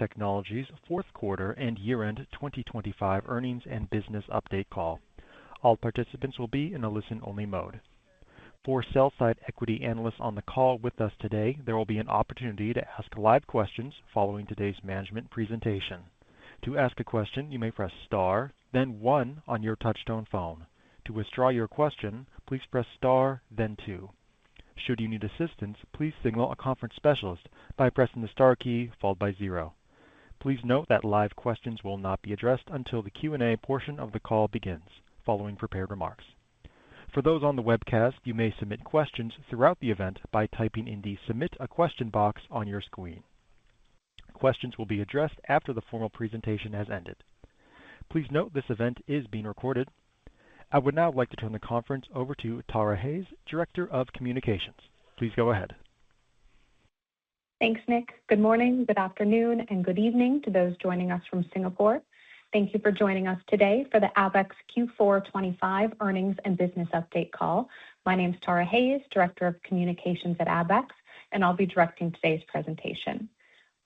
Technologies fourth quarter and year-end 2025 earnings and business update call. All participants will be in a listen-only mode. For sell-side equity analysts on the call with us today, there will be an opportunity to ask live questions following today's management presentation. To ask a question, you may press star then one on your touchtone phone. To withdraw your question, please press star then two. Should you need assistance, please signal a conference specialist by pressing the star key followed by zero. Please note that live questions will not be addressed until the Q&A portion of the call begins following prepared remarks. For those on the webcast, you may submit questions throughout the event by typing in the Submit a Question box on your screen. Questions will be addressed after the formal presentation has ended. Please note this event is being recorded. I would now like to turn the conference over to Tara Hayes, Director of Communications. Please go ahead. Thanks, Nick. Good morning, good afternoon, and good evening to those joining us from Singapore. Thank you for joining us today for the Abaxx Q4 2025 earnings and business update call. My name's Tara Hayes, Director of Communications at Abaxx, and I'll be directing today's presentation.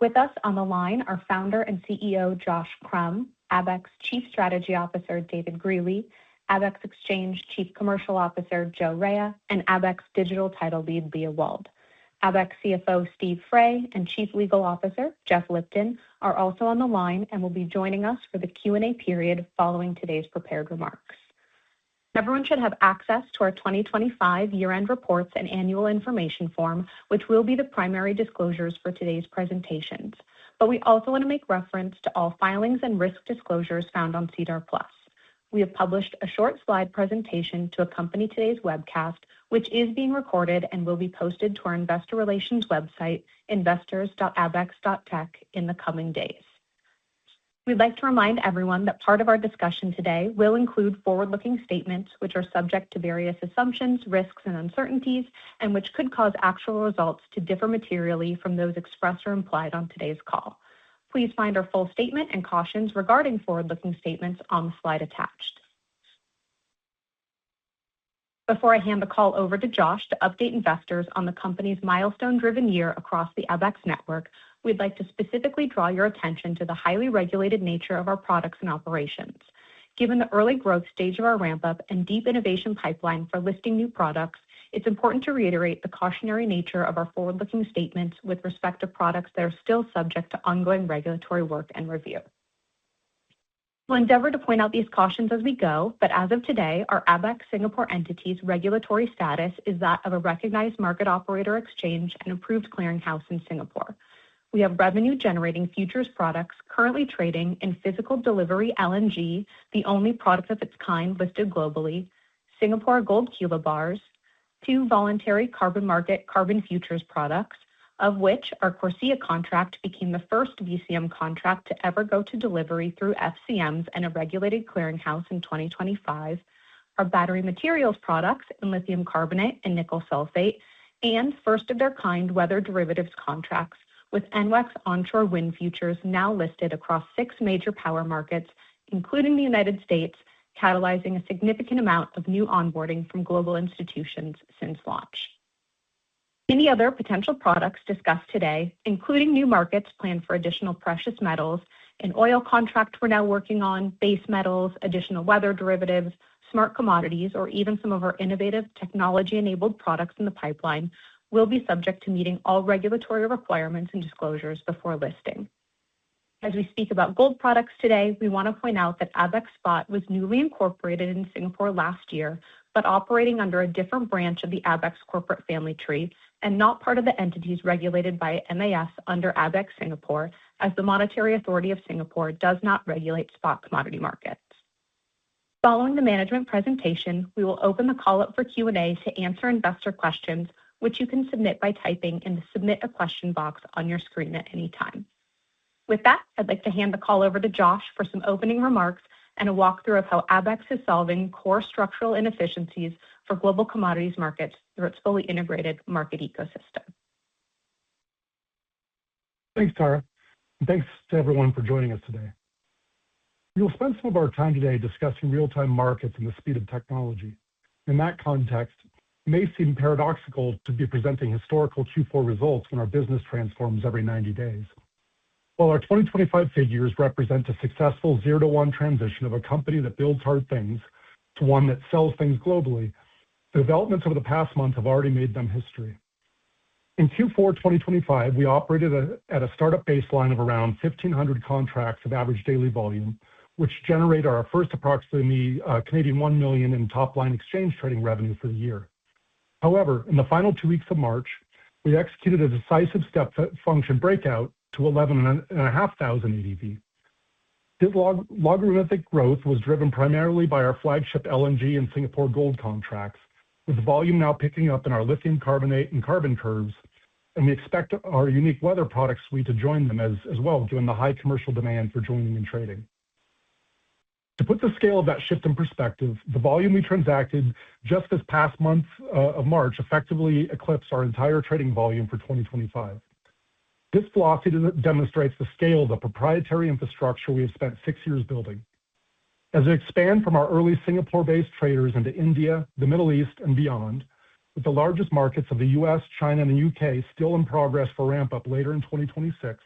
With us on the line are Founder and CEO Josh Crumb, Abaxx Chief Strategy Officer David Greely, Abaxx Exchange Chief Commercial Officer Joe Raia, and Abaxx Digital Title Lead Leah Wald. Abaxx CFO Steve Fray and Chief Legal Officer Jeff Lipton are also on the line and will be joining us for the Q&A period following today's prepared remarks. Everyone should have access to our 2025 year-end reports and annual information form, which will be the primary disclosures for today's presentations. We also want to make reference to all filings and risk disclosures found on SEDAR+. We have published a short slide presentation to accompany today's webcast, which is being recorded and will be posted to our investor relations website, investors. Abaxx.tech in the coming days. We'd like to remind everyone that part of our discussion today will include forward-looking statements, which are subject to various assumptions, risks, and uncertainties, and which could cause actual results to differ materially from those expressed or implied on today's call. Please find our full statement and cautions regarding forward-looking statements on the slide attached. Before I hand the call over to Josh to update investors on the company's milestone-driven year across the Abaxx network, we'd like to specifically draw your attention to the highly regulated nature of our products and operations. Given the early growth stage of our ramp-up and deep innovation pipeline for listing new products, it's important to reiterate the cautionary nature of our forward-looking statements with respect to products that are still subject to ongoing regulatory work and review. We'll endeavor to point out these cautions as we go, but as of today, our Abaxx Singapore entity's regulatory status is that of a recognized market operator exchange and approved clearinghouse in Singapore. We have revenue-generating futures products currently trading in physical delivery LNG, the only product of its kind listed globally, Singapore Gold Kilobars, two voluntary carbon market carbon futures products, of which our CORSIA contract became the first VCM contract to ever go to delivery through FCMs and a regulated clearinghouse in 2025. Our battery materials products and lithium carbonate and nickel sulfate, and first of their kind weather derivatives contracts with NWEX onshore wind futures now listed across six major power markets, including the United States, catalyzing a significant amount of new onboarding from global institutions since launch. Any other potential products discussed today, including new markets planned for additional precious metals, an oil contract we're now working on, base metals, additional weather derivatives, smart commodities, or even some of our innovative technology-enabled products in the pipeline, will be subject to meeting all regulatory requirements and disclosures before listing. As we speak about gold products today, we want to point out that Abaxx Spot was newly incorporated in Singapore last year, but operating under a different branch of the Abaxx corporate family tree and not part of the entities regulated by MAS under Abaxx Singapore, as the Monetary Authority of Singapore does not regulate spot commodity markets. Following the management presentation, we will open the call up for Q&A to answer investor questions, which you can submit by typing in the Submit a Question box on your screen at any time. With that, I'd like to hand the call over to Josh for some opening remarks and a walkthrough of how Abaxx is solving core structural inefficiencies for global commodities markets through its fully integrated market ecosystem. Thanks, Tara, and thanks to everyone for joining us today. We will spend some of our time today discussing real-time markets and the speed of technology. In that context, it may seem paradoxical to be presenting historical Q4 results when our business transforms every 90 days. While our 2025 figures represent a successful zero to one transition of a company that builds hard things to one that sells things globally, the developments over the past month have already made them history. In Q4 2025, we operated at a startup baseline of around 1,500 contracts of average daily volume, which generate our first approximately 1 million in top-line exchange trading revenue for the year. However, in the final two weeks of March, we executed a decisive step function breakout to 11,500 ADV. This logarithmic growth was driven primarily by our flagship LNG and Singapore gold contracts, with volume now picking up in our lithium carbonate and carbon curves, and we expect our unique weather product suite to join them as well, given the high commercial demand for joining and trading. To put the scale of that shift in perspective, the volume we transacted just this past month of March effectively eclipsed our entire trading volume for 2025. This velocity demonstrates the scale of the proprietary infrastructure we have spent six years building. As we expand from our early Singapore-based traders into India, the Middle East, and beyond, with the largest markets of the U.S., China, and the U.K. still in progress for ramp up later in 2026,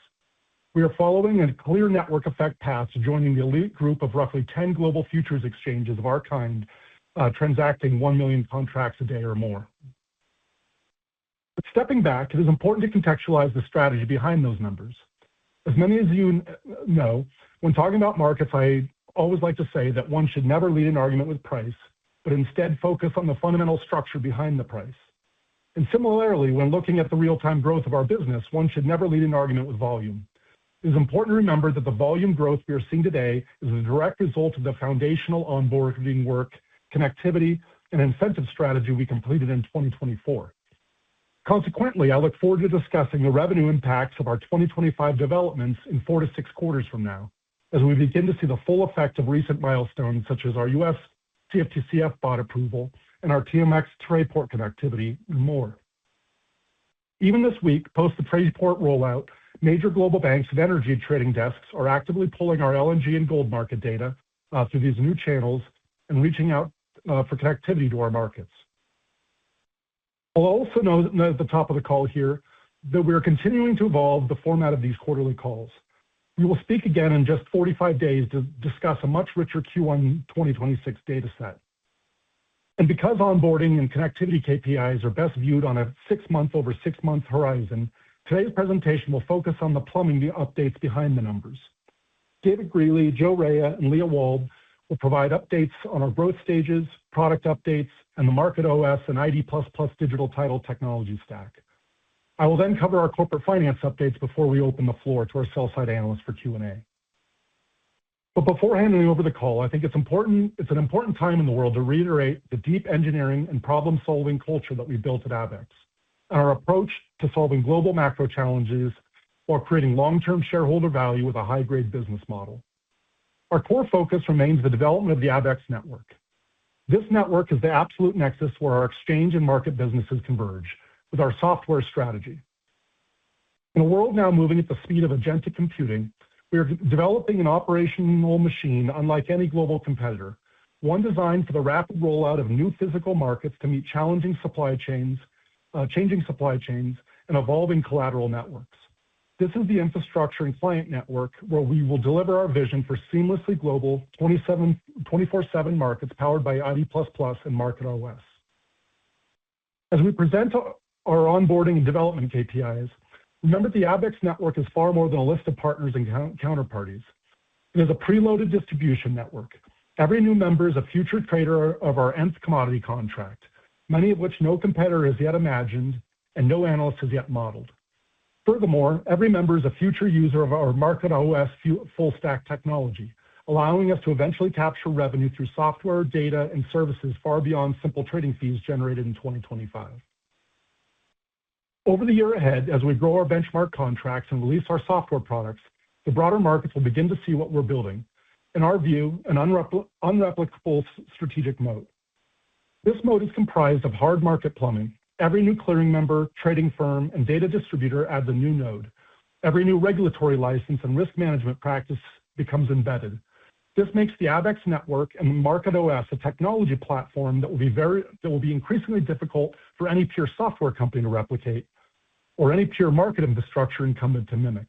we are following a clear network effect path to joining the elite group of roughly 10 global futures exchanges of our kind, transacting 1 million contracts a day or more. Stepping back, it is important to contextualize the strategy behind those numbers. As many of you know, when talking about markets, I always like to say that one should never lead an argument with price, but instead focus on the fundamental structure behind the price. Similarly, when looking at the real-time growth of our business, one should never lead an argument with volume. It is important to remember that the volume growth we are seeing today is a direct result of the foundational onboarding work, connectivity, and incentive strategy we completed in 2024. Consequently, I look forward to discussing the revenue impacts of our 2025 developments in 4-6 quarters from now, as we begin to see the full effect of recent milestones such as our U.S. CFTC FBOT approval and our Trayport connectivity, and more. Even this week, post the Trayport rollout, major global banks and energy trading desks are actively pulling our LNG and gold market data through these new channels and reaching out for connectivity to our markets. I'll also note at the top of the call here that we are continuing to evolve the format of these quarterly calls. We will speak again in just 45 days to discuss a much richer Q1 2026 data set, and because onboarding and connectivity KPIs are best viewed on a six-month over six-month horizon, today's presentation will focus on the plumbing, the updates behind the numbers. David Greely, Joe Raia, and Leah Wald will provide updates on our growth stages, product updates, and the MarketOS and ID++ digital title technology stack. I will then cover our corporate finance updates before we open the floor to our sell-side analysts for Q&A. Before handing over the call, I think it's an important time in the world to reiterate the deep engineering and problem-solving culture that we've built at Abaxx, and our approach to solving global macro challenges while creating long-term shareholder value with a high-grade business model. Our core focus remains the development of the Abaxx network. This network is the absolute nexus where our exchange and market businesses converge with our software strategy. In a world now moving at the speed of agentic computing, we are developing an operational machine unlike any global competitor, one designed for the rapid rollout of new physical markets to meet changing supply chains, and evolving collateral networks. This is the infrastructure and client network where we will deliver our vision for seamlessly global 24/7 markets powered by ID++ and MarketOS. As we present our onboarding and development KPIs, remember, the Abaxx network is far more than a list of partners and counterparties. It is a preloaded distribution network. Every new member is a future trader of our nth commodity contract, many of which no competitor has yet imagined and no analyst has yet modeled. Furthermore, every member is a future user of our MarketOS full stack technology, allowing us to eventually capture revenue through software, data, and services far beyond simple trading fees generated in 2025. Over the year ahead, as we grow our benchmark contracts and release our software products, the broader markets will begin to see what we're building. In our view, an unreplicable strategic mode. This mode is comprised of hard market plumbing. Every new clearing member, trading firm, and data distributor adds a new node. Every new regulatory license and risk management practice becomes embedded. This makes the Abaxx network and the MarketOS a technology platform that will be increasingly difficult for any pure software company to replicate or any pure market infrastructure incumbent to mimic.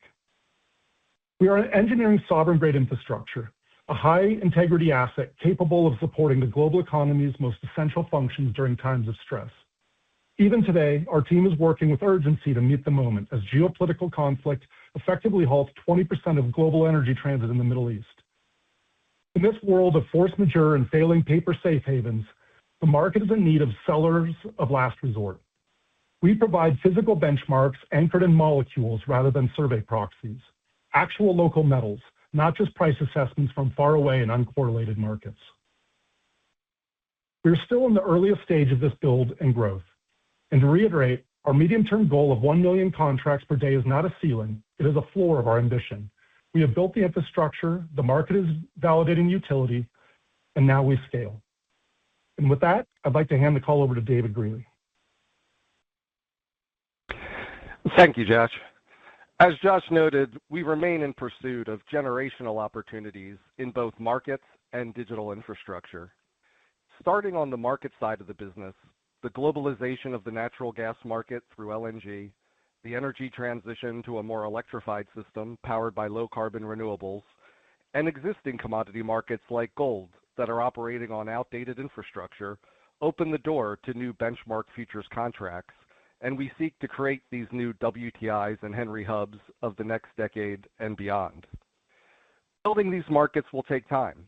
We are an engineering sovereign grade infrastructure, a high-integrity asset capable of supporting the global economy's most essential functions during times of stress. Even today, our team is working with urgency to meet the moment as geopolitical conflict effectively halts 20% of global energy transit in the Middle East. In this world of force majeure and failing paper safe havens, the market is in need of sellers of last resort. We provide physical benchmarks anchored in molecules rather than survey proxies. Actual local metals, not just price assessments from far away in uncorrelated markets. We are still in the earliest stage of this build and growth. To reiterate, our medium-term goal of 1 million contracts per day is not a ceiling, it is a floor of our ambition. We have built the infrastructure, the market is validating utility, and now we scale. With that, I'd like to hand the call over to David Greely. Thank you, Josh. As Josh noted, we remain in pursuit of generational opportunities in both markets and digital infrastructure. Starting on the market side of the business, the globalization of the natural gas market through LNG, the energy transition to a more electrified system powered by low-carbon renewables, and existing commodity markets like gold that are operating on outdated infrastructure, open the door to new benchmark futures contracts, and we seek to create these new WTIs and Henry Hubs of the next decade and beyond. Building these markets will take time.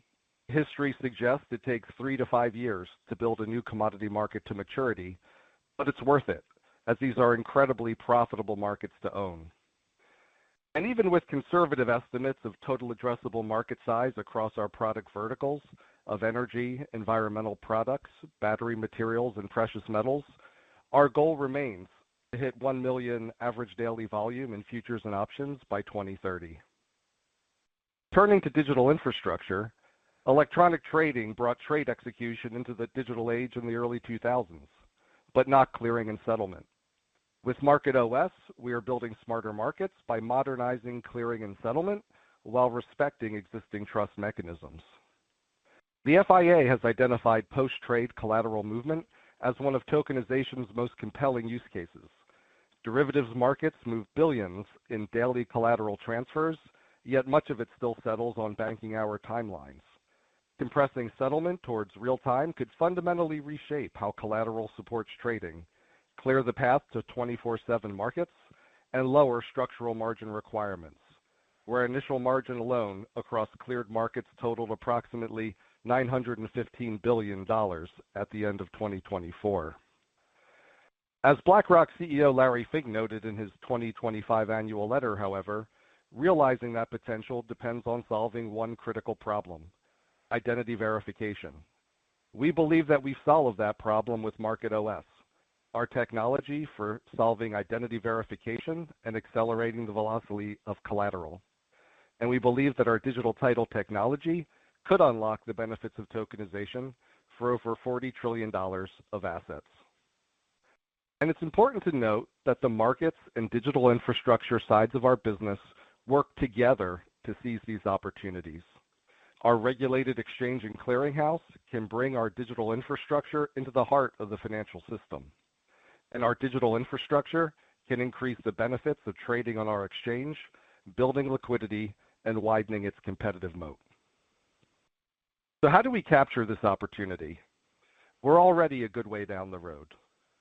History suggests it takes 3-5 years to build a new commodity market to maturity, but it's worth it, as these are incredibly profitable markets to own. Even with conservative estimates of total addressable market size across our product verticals of energy, environmental products, battery materials, and precious metals, our goal remains to hit 1 million average daily volume in futures and options by 2030. Turning to digital infrastructure, electronic trading brought trade execution into the digital age in the early 2000s, but not clearing and settlement. With MarketOS, we are building smarter markets by modernizing clearing and settlement while respecting existing trust mechanisms. The FIA has identified post-trade collateral movement as one of tokenization's most compelling use cases. Derivatives markets move billions in daily collateral transfers, yet much of it still settles on banking hour timelines. Compressing settlement towards real-time could fundamentally reshape how collateral supports trading, clear the path to 24/7 markets, and lower structural margin requirements, where initial margin alone across cleared markets totaled approximately $915 billion at the end of 2024. As BlackRock CEO Larry Fink noted in his 2025 annual letter, however, realizing that potential depends on solving one critical problem, identity verification. We believe that we've solved that problem with MarketOS, our technology for solving identity verification and accelerating the velocity of collateral. We believe that our Digital Title technology could unlock the benefits of tokenization for over $40 trillion of assets. It's important to note that the markets and digital infrastructure sides of our business work together to seize these opportunities. Our regulated exchange and clearinghouse can bring our digital infrastructure into the heart of the financial system. Our digital infrastructure can increase the benefits of trading on our exchange, building liquidity, and widening its competitive moat. How do we capture this opportunity? We're already a good way down the road.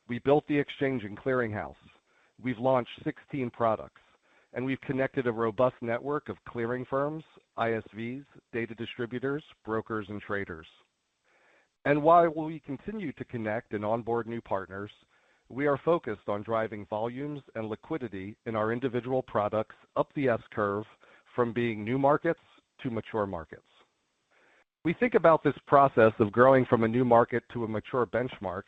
We built the exchange and clearinghouse. We've launched 16 products, and we've connected a robust network of clearing firms, ISVs, data distributors, brokers, and traders. While we continue to connect and onboard new partners, we are focused on driving volumes and liquidity in our individual products up the S-curve from being new markets to mature markets. We think about this process of growing from a new market to a mature benchmark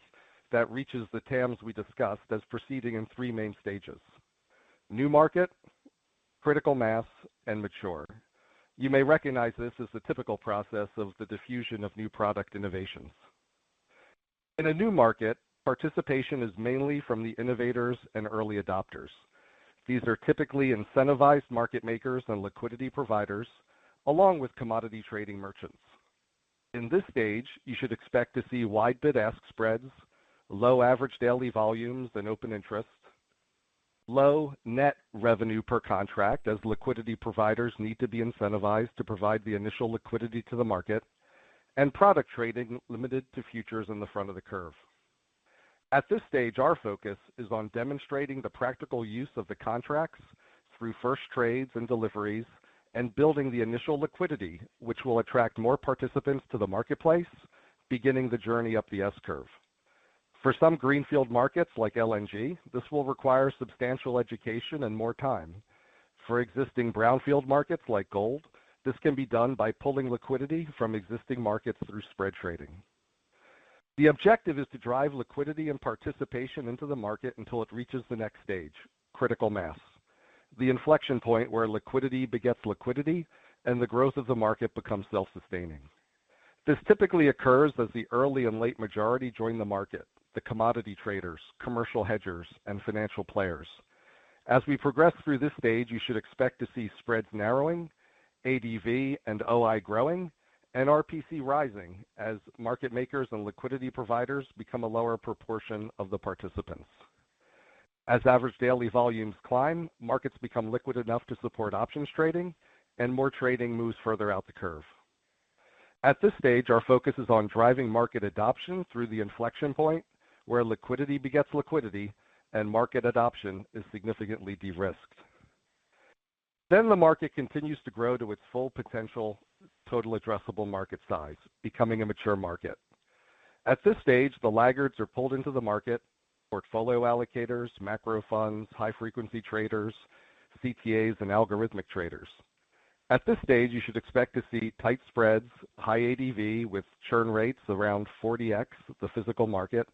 that reaches the TAMs we discussed as proceeding in three main stages: new market, critical mass, and mature. You may recognize this as the typical process of the diffusion of new product innovations. In a new market, participation is mainly from the innovators and early adopters. These are typically incentivized market makers and liquidity providers along with commodity trading merchants. In this stage, you should expect to see wide bid-ask spreads, low average daily volumes and open interest, low net revenue per contract as liquidity providers need to be incentivized to provide the initial liquidity to the market, and product trading limited to futures in the front of the curve. At this stage, our focus is on demonstrating the practical use of the contracts through first trades and deliveries and building the initial liquidity, which will attract more participants to the marketplace, beginning the journey up the S-curve. For some greenfield markets like LNG, this will require substantial education and more time. For existing brownfield markets like gold, this can be done by pulling liquidity from existing markets through spread trading. The objective is to drive liquidity and participation into the market until it reaches the next stage, critical mass. The inflection point where liquidity begets liquidity and the growth of the market becomes self-sustaining. This typically occurs as the early and late majority join the market, the commodity traders, commercial hedgers, and financial players. As we progress through this stage, you should expect to see spreads narrowing, ADV and OI growing, and RPC rising as market makers and liquidity providers become a lower proportion of the participants. As average daily volumes climb, markets become liquid enough to support options trading, and more trading moves further out the curve. At this stage, our focus is on driving market adoption through the inflection point where liquidity begets liquidity and market adoption is significantly de-risked. The market continues to grow to its full potential total addressable market size, becoming a mature market. At this stage, the laggards are pulled into the market, portfolio allocators, macro funds, high-frequency traders, CTAs, and algorithmic traders. At this stage, you should expect to see tight spreads, high ADV with churn rates around 40x the physical market,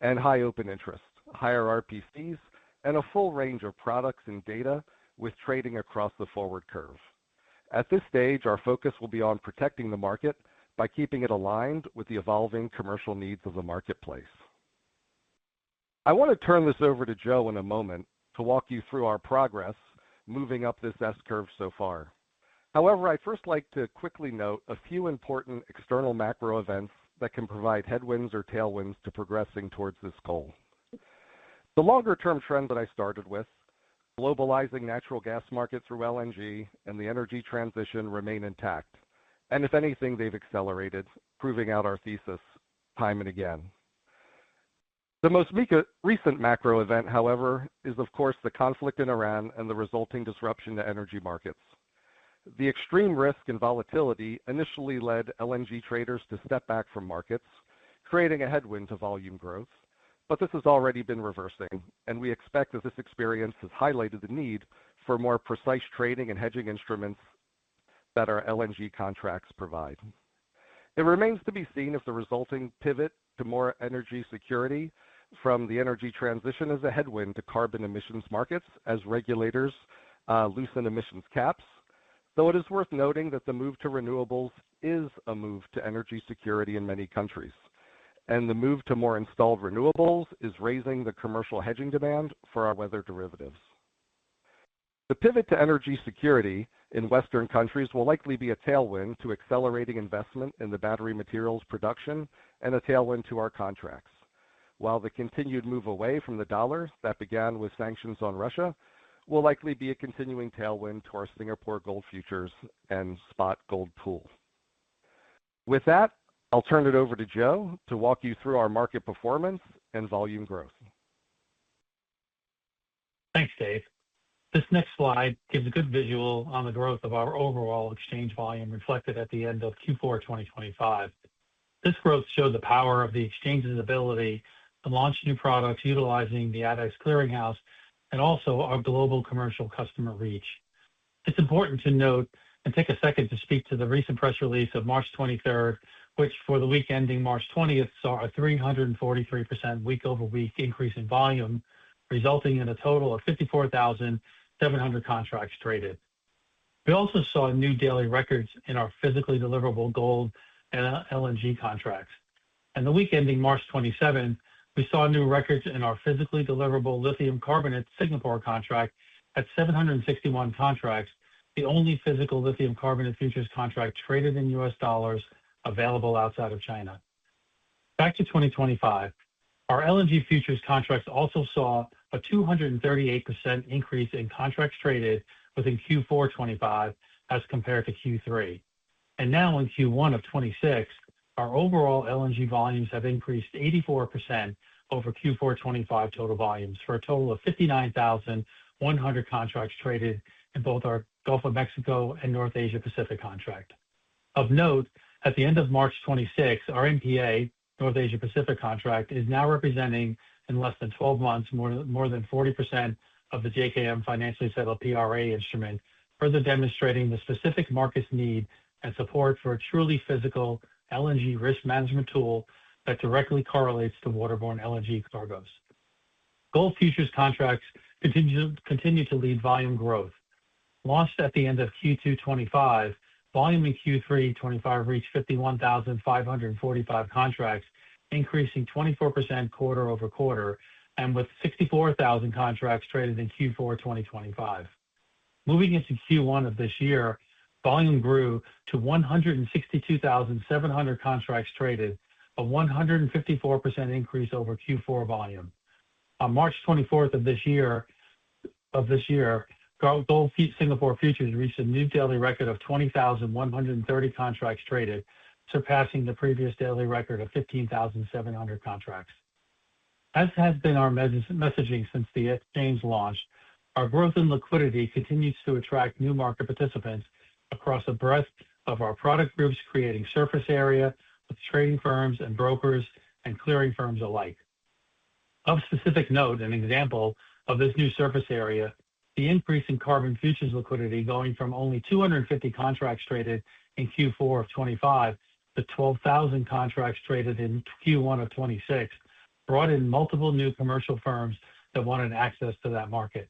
and high open interest, higher RPCs, and a full range of products and data with trading across the forward curve. At this stage, our focus will be on protecting the market by keeping it aligned with the evolving commercial needs of the marketplace. I want to turn this over to Joe in a moment to walk you through our progress moving up this S-curve so far. However, I'd first like to quickly note a few important external macro events that can provide headwinds or tailwinds to progressing towards this goal. The longer-term trend that I started with, globalizing natural gas market through LNG and the energy transition remain intact, and if anything, they've accelerated, proving out our thesis time and again. The most recent macro event, however, is of course the conflict in Iran and the resulting disruption to energy markets. The extreme risk and volatility initially led LNG traders to step back from markets, creating a headwind to volume growth, but this has already been reversing, and we expect that this experience has highlighted the need for more precise trading and hedging instruments that our LNG contracts provide. It remains to be seen if the resulting pivot to more energy security from the energy transition is a headwind to carbon emissions markets as regulators loosen emissions caps. Though it is worth noting that the move to renewables is a move to energy security in many countries, and the move to more installed renewables is raising the commercial hedging demand for our weather derivatives. The pivot to energy security in Western countries will likely be a tailwind to accelerating investment in the battery materials production and a tailwind to our contracts. While the continued move away from the dollar that began with sanctions on Russia will likely be a continuing tailwind to our Singapore Gold Futures and spot gold pools. With that, I'll turn it over to Joe to walk you through our market performance and volume growth. Thanks, Dave. This next slide gives a good visual on the growth of our overall exchange volume reflected at the end of Q4 2025. This growth showed the power of the exchange's ability to launch new products utilizing the Abaxx Clearing House, and also our global commercial customer reach. It's important to note and take a second to speak to the recent press release of March 23rd, which for the week ending March 20th, saw a 343% week-over-week increase in volume, resulting in a total of 54,700 contracts traded. We also saw new daily records in our physically deliverable gold and LNG contracts. In the week ending March 27, we saw new records in our physically deliverable lithium carbonate Singapore contract at 761 contracts, the only physical lithium carbonate futures contract traded in U.S. dollars available outside of China. Back to 2025, our LNG futures contracts also saw a 238% increase in contracts traded within Q4 2025 as compared to Q3 2025. Now in Q1 of 2026, our overall LNG volumes have increased 84% over Q4 2025 total volumes, for a total of 59,100 contracts traded in both our Gulf of Mexico and North Asia-Pacific contract. Of note, at the end of March 2026, our NPA, North Asia Pacific contract, is now representing in less than 12 months more than 40% of the JKM financially settled PRA instrument, further demonstrating the specific market's need and support for a truly physical LNG risk management tool that directly correlates to waterborne LNG cargoes. Gold futures contracts continue to lead volume growth. Launched at the end of Q2 2025, volume in Q3 2025 reached 51,545 contracts, increasing 24% quarter-over-quarter, and with 64,000 contracts traded in Q4 2025. Moving into Q1 of this year, volume grew to 162,700 contracts traded, a 154% increase over Q4 volume. On March 24th of this year, Gold Singapore Futures reached a new daily record of 20,130 contracts traded, surpassing the previous daily record of 15,700 contracts. As has been our messaging since the exchange launch, our growth in liquidity continues to attract new market participants across the breadth of our product groups, creating surface area with trading firms and brokers and clearing firms alike. Of specific note, an example of this new surface area, the increase in carbon futures liquidity going from only 250 contracts traded in Q4 of 2025 to 12,000 contracts traded in Q1 of 2026, brought in multiple new commercial firms that wanted access to that market.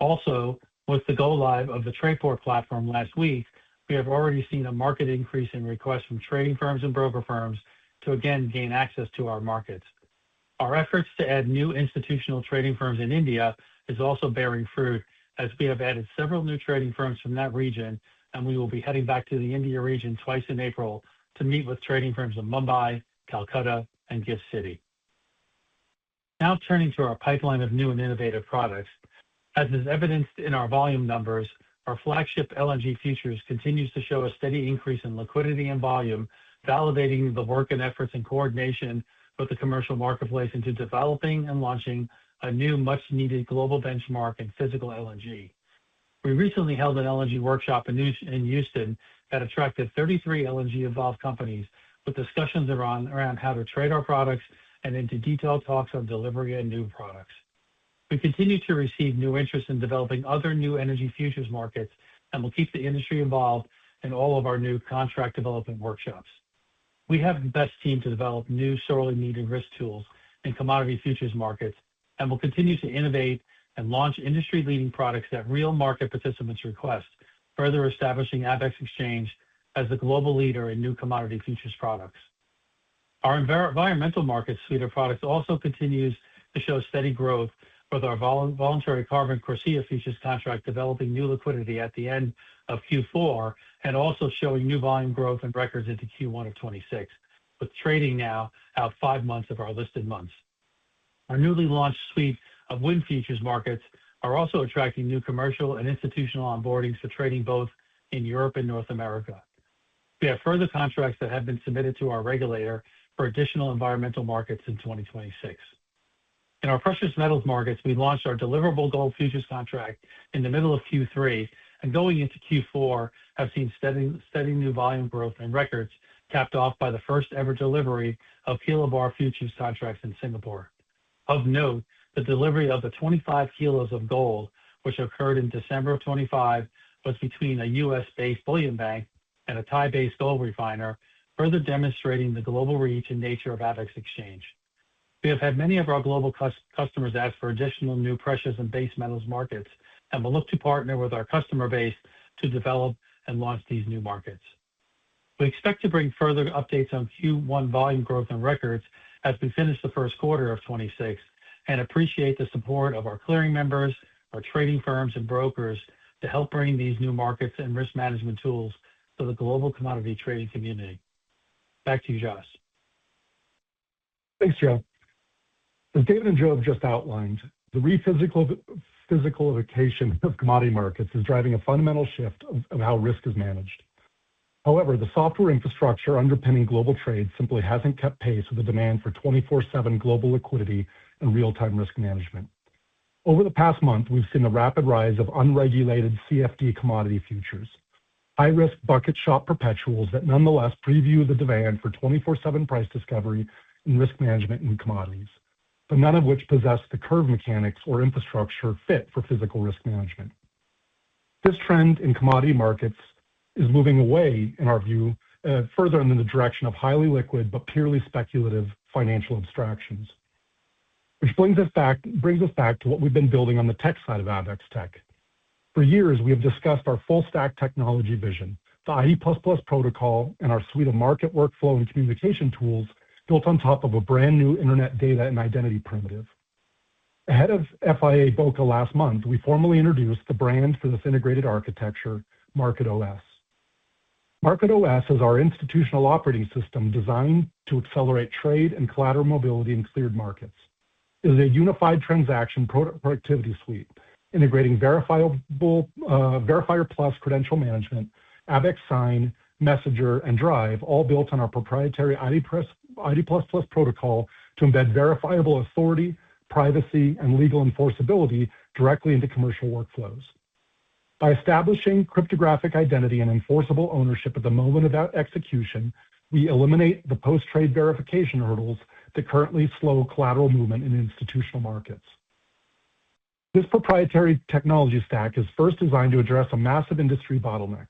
Also, with the go live of the Trayport platform last week, we have already seen a market increase in requests from trading firms and broker firms to again gain access to our markets. Our efforts to add new institutional trading firms in India is also bearing fruit as we have added several new trading firms from that region, and we will be heading back to the India region twice in April to meet with trading firms in Mumbai, Calcutta, and GIFT City. Now turning to our pipeline of new and innovative products. As is evidenced in our volume numbers, our flagship LNG futures continues to show a steady increase in liquidity and volume, validating the work and efforts and coordination with the commercial marketplace into developing and launching a new much-needed global benchmark in physical LNG. We recently held an LNG workshop in Houston that attracted 33 LNG-involved companies with discussions around how to trade our products and into detailed talks on delivery and new products. We continue to receive new interest in developing other new energy futures markets, and will keep the industry involved in all of our new contract development workshops. We have the best team to develop new sorely needed risk tools in commodity futures markets and will continue to innovate and launch industry-leading products at real market participants' request, further establishing Abaxx Exchange as the global leader in new commodity futures products. Our environmental markets suite of products also continues to show steady growth with our voluntary carbon CORSIA futures contract developing new liquidity at the end of Q4, and also showing new volume growth and records into Q1 of 2026, with trading now out five months of our listed months. Our newly launched suite of wind futures markets are also attracting new commercial and institutional onboardings for trading both in Europe and North America. We have further contracts that have been submitted to our regulator for additional environmental markets in 2026. In our precious metals markets, we launched our deliverable gold futures contract in the middle of Q3, and going into Q4, have seen steady new volume growth and records, capped off by the first-ever delivery of kilobar futures contracts in Singapore. Of note, the delivery of the 25 kilos of gold, which occurred in December of 2025, was between a U.S.-based bullion bank and a Thai-based gold refiner, further demonstrating the global reach and nature of Abaxx Exchange. We have had many of our global customers ask for additional new precious and base metals markets, and we'll look to partner with our customer base to develop and launch these new markets. We expect to bring further updates on Q1 volume growth and records as we finish the first quarter of 2026, and appreciate the support of our clearing members, our trading firms and brokers to help bring these new markets and risk management tools to the global commodity trading community. Back to you, Josh. Thanks, Joe. As David and Joe have just outlined, the re-physicalization of commodity markets is driving a fundamental shift of how risk is managed. However, the software infrastructure underpinning global trade simply hasn't kept pace with the demand for 24/7 global liquidity and real-time risk management. Over the past month, we've seen a rapid rise of unregulated CFD commodity futures, high-risk bucket shop perpetuals that nonetheless preview the demand for 24/7 price discovery and risk management in commodities, but none of which possess the curve mechanics or infrastructure fit for physical risk management. This trend in commodity markets is moving away, in our view, further in the direction of highly liquid but purely speculative financial abstractions. Which brings us back to what we've been building on the tech side of Abaxx Technologies. For years, we have discussed our full stack technology vision, the ID++ protocol, and our suite of market workflow and communication tools built on top of a brand-new internet data and identity primitive. Ahead of FIA Boca last month, we formally introduced the brand for this integrated architecture, MarketOS. MarketOS is our institutional operating system designed to accelerate trade and collateral mobility in cleared markets. It is a unified transaction productivity suite integrating Verifier Plus credential management, Abaxx Sign, Messenger, and Drive, all built on our proprietary ID++ protocol to embed verifiable authority, privacy, and legal enforceability directly into commercial workflows. By establishing cryptographic identity and enforceable ownership at the moment of that execution, we eliminate the post-trade verification hurdles that currently slow collateral movement in institutional markets. This proprietary technology stack is first designed to address a massive industry bottleneck.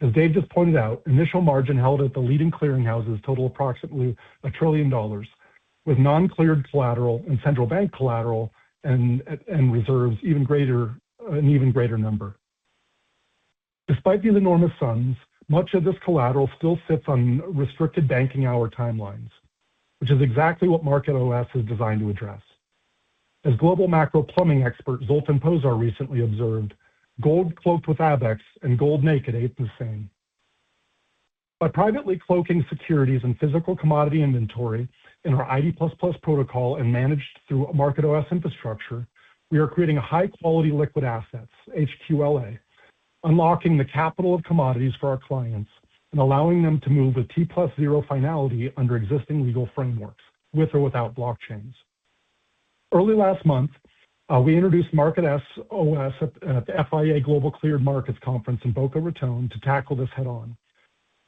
As Dave just pointed out, initial margin held at the leading clearing houses total approximately $1 trillion, with non-cleared collateral and central bank collateral and reserves an even greater number. Despite these enormous sums, much of this collateral still sits on restricted banking hour timelines, which is exactly what Market OS is designed to address. As global macro plumbing expert Zoltan Pozsar recently observed, gold cloaked with Abaxx and gold naked ain't the same. By privately cloaking securities and physical commodity inventory in our ID++ protocol and managed through a Market OS infrastructure, we are creating high-quality liquid assets, HQLA, unlocking the capital of commodities for our clients and allowing them to move with T+0 finality under existing legal frameworks, with or without blockchains. Early last month, we introduced Market OS at the FIA Global Cleared Markets Conference in Boca Raton to tackle this head-on.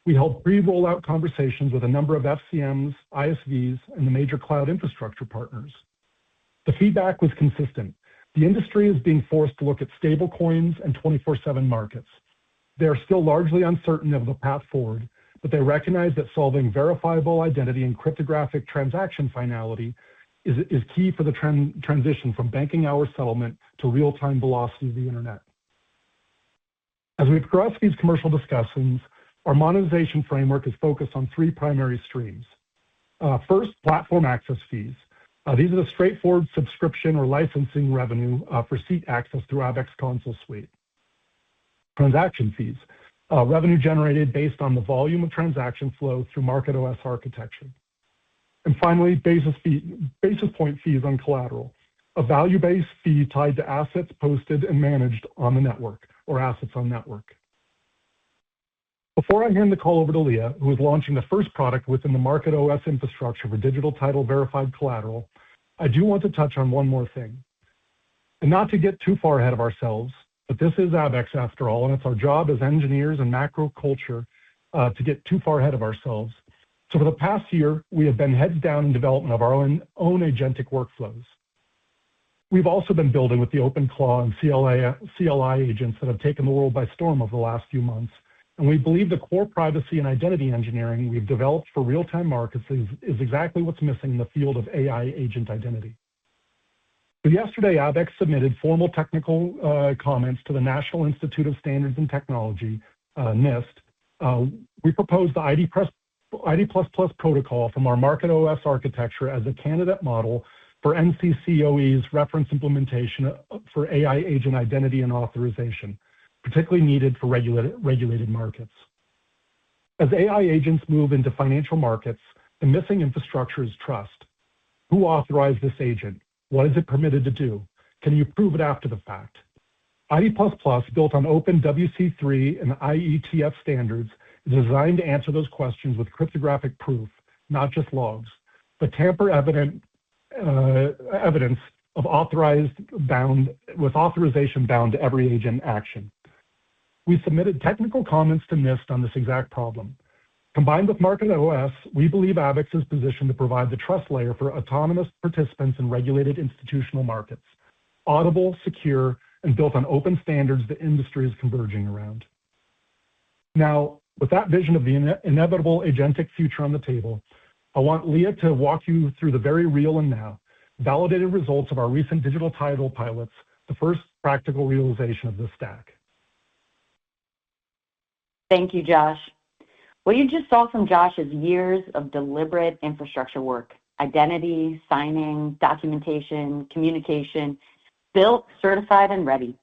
We held pre-rollout conversations with a number of FCMs, ISVs, and the major cloud infrastructure partners. The feedback was consistent. The industry is being forced to look at stablecoins and 24/7 markets. They are still largely uncertain of the path forward, but they recognize that solving verifiable identity and cryptographic transaction finality is key for the transition from banking hour settlement to real-time velocity of the internet. As we progress these commercial discussions, our monetization framework is focused on three primary streams. First, platform access fees. These are the straightforward subscription or licensing revenue for seat access through Abaxx Console Suite. Transaction fees, revenue generated based on the volume of transaction flow through MarketOS architecture. Finally, basis point fees on collateral, a value-based fee tied to assets posted and managed on the network or assets on network. Before I hand the call over to Leah, who is launching the first product within the MarketOS infrastructure for digital title verified collateral, I do want to touch on one more thing. Not to get too far ahead of ourselves, but this is Abaxx after all, and it's our job as engineers and macro culture to get too far ahead of ourselves. For the past year, we have been heads down in development of our own agentic workflows. We've also been building with the OpenAI and CLI agents that have taken the world by storm over the last few months, and we believe the core privacy and identity engineering we've developed for real-time markets is exactly what's missing in the field of AI agent identity. Yesterday, Abaxx submitted formal technical comments to the National Institute of Standards and Technology, NIST. We proposed the ID++ protocol from our MarketOS architecture as a candidate model for NCCoE's reference implementation for AI agent identity and authorization, particularly needed for regulated markets. As AI agents move into financial markets, the missing infrastructure is trust. Who authorized this agent? What is it permitted to do? Can you prove it after the fact? ID++, built on open W3C and IETF standards, is designed to answer those questions with cryptographic proof, not just logs, but tamper evidence with authorization bound to every agent action. We submitted technical comments to NIST on this exact problem. Combined with MarketOS, we believe Abaxx is positioned to provide the trust layer for autonomous participants in regulated institutional markets. Audible, secure, and built on open standards the industry is converging around. Now, with that vision of the inevitable agentic future on the table, I want Leah to walk you through the very real and now validated results of our recent Digital Title pilots, the first practical realization of this stack. Thank you, Josh. What you just saw from Josh is years of deliberate infrastructure work, identity, signing, documentation, communication, built, certified, and ready.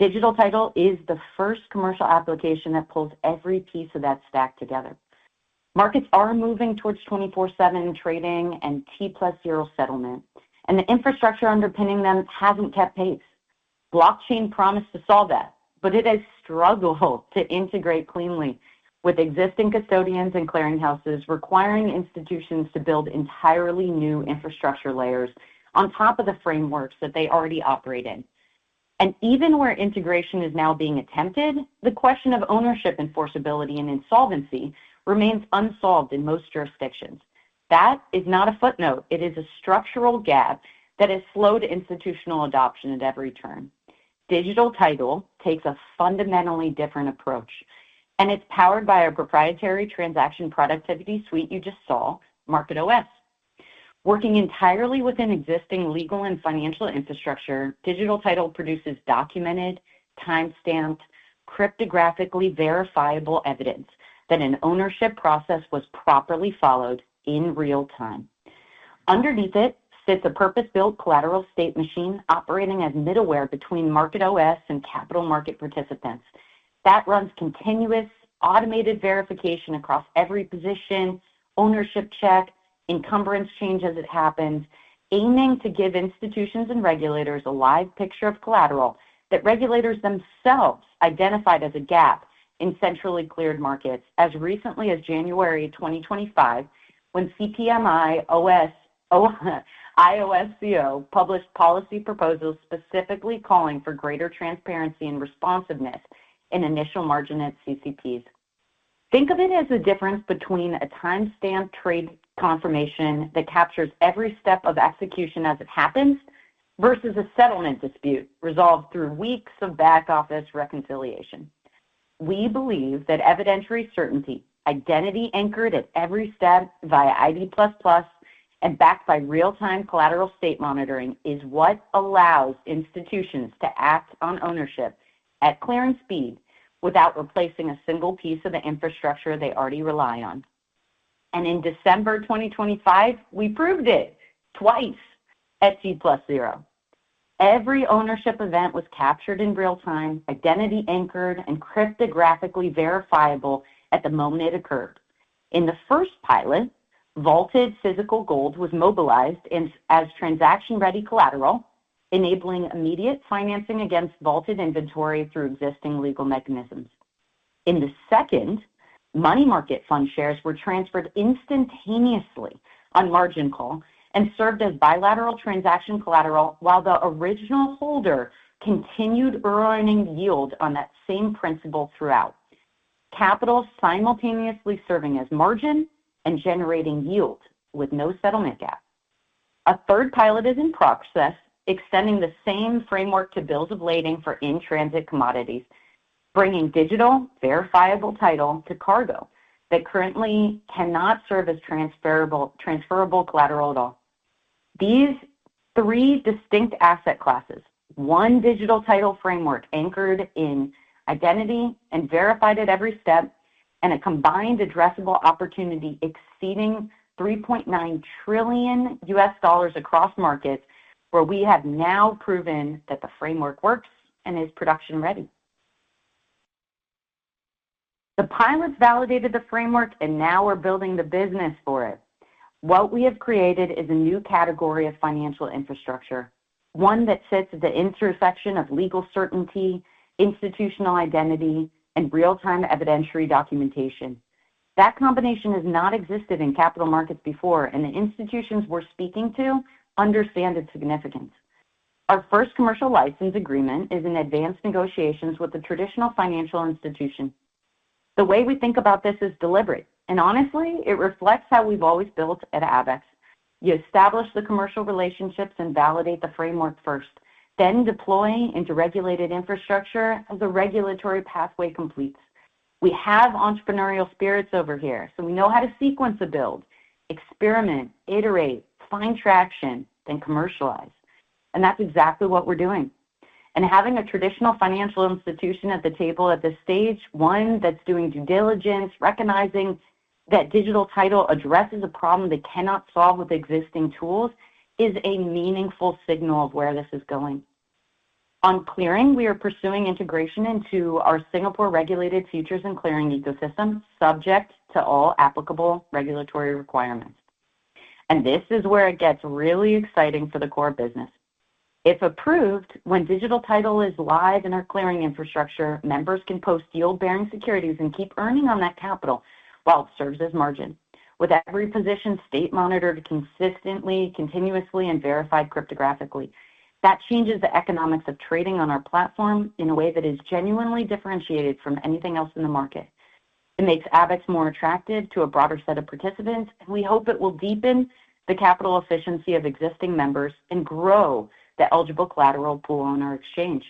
Digital Title is the first commercial application that pulls every piece of that stack together. Markets are moving towards 24/7 trading and T+0 settlement, and the infrastructure underpinning them hasn't kept pace. Blockchain promised to solve that, but it has struggled to integrate cleanly with existing custodians and clearinghouses, requiring institutions to build entirely new infrastructure layers on top of the frameworks that they already operate in. Even where integration is now being attempted, the question of ownership enforceability and insolvency remains unsolved in most jurisdictions. That is not a footnote. It is a structural gap that has slowed institutional adoption at every turn. Digital Title takes a fundamentally different approach, and it's powered by our proprietary transaction productivity suite you just saw, MarketOS. Working entirely within existing legal and financial infrastructure, Digital Title produces documented, timestamped, cryptographically verifiable evidence that an ownership process was properly followed in real-time. Underneath it sits a purpose-built collateral state machine operating as middleware between MarketOS and capital market participants. That runs continuous automated verification across every position, ownership check, encumbrance change as it happens, aiming to give institutions and regulators a live picture of collateral that regulators themselves identified as a gap in centrally cleared markets as recently as January 2025, when CPMI-IOSCO published policy proposals specifically calling for greater transparency and responsiveness in initial margin at CCPs. Think of it as the difference between a timestamped trade confirmation that captures every step of execution as it happens versus a settlement dispute resolved through weeks of back office reconciliation. We believe that evidentiary certainty, identity anchored at every step via ID++, and backed by real-time collateral state monitoring is what allows institutions to act on ownership at clearance speed without replacing a single piece of the infrastructure they already rely on. In December 2025, we proved it twice at T+0. Every ownership event was captured in real-time, identity anchored, and cryptographically verifiable at the moment it occurred. In the first pilot, vaulted physical gold was mobilized as transaction-ready collateral, enabling immediate financing against vaulted inventory through existing legal mechanisms. In the second, money market fund shares were transferred instantaneously on margin call and served as bilateral transaction collateral while the original holder continued earning yield on that same principle throughout. Capital simultaneously serving as margin and generating yield with no settlement gap. A third pilot is in process, extending the same framework to bills of lading for in-transit commodities, bringing Digital verifiable title to cargo that currently cannot serve as transferable collateral at all. These three distinct asset classes, one Digital Title framework anchored in identity and verified at every step, and a combined addressable opportunity exceeding $3.9 trillion across markets where we have now proven that the framework works and is production-ready. The pilots validated the framework, and now we're building the business for it. What we have created is a new category of financial infrastructure, one that sits at the intersection of legal certainty, institutional identity, and real-time evidentiary documentation. That combination has not existed in capital markets before, and the institutions we're speaking to understand its significance. Our first commercial license agreement is in advanced negotiations with a traditional financial institution. The way we think about this is deliberate, and honestly, it reflects how we've always built at Abaxx. You establish the commercial relationships and validate the framework first, then deploy into regulated infrastructure as the regulatory pathway completes. We have entrepreneurial spirits over here, so we know how to sequence a build, experiment, iterate, find traction, then commercialize. That's exactly what we're doing. Having a traditional financial institution at the table at this stage, one that's doing due diligence, recognizing that Digital Title addresses a problem they cannot solve with existing tools, is a meaningful signal of where this is going. On clearing, we are pursuing integration into our Singapore-regulated futures and clearing ecosystem, subject to all applicable regulatory requirements. This is where it gets really exciting for the core business. If approved, when Digital Title is live in our clearing infrastructure, members can post yield-bearing securities and keep earning on that capital while it serves as margin. With every position state monitored consistently, continuously, and verified cryptographically. That changes the economics of trading on our platform in a way that is genuinely differentiated from anything else in the market. It makes Abaxx more attractive to a broader set of participants, and we hope it will deepen the capital efficiency of existing members and grow the eligible collateral pool on our exchange.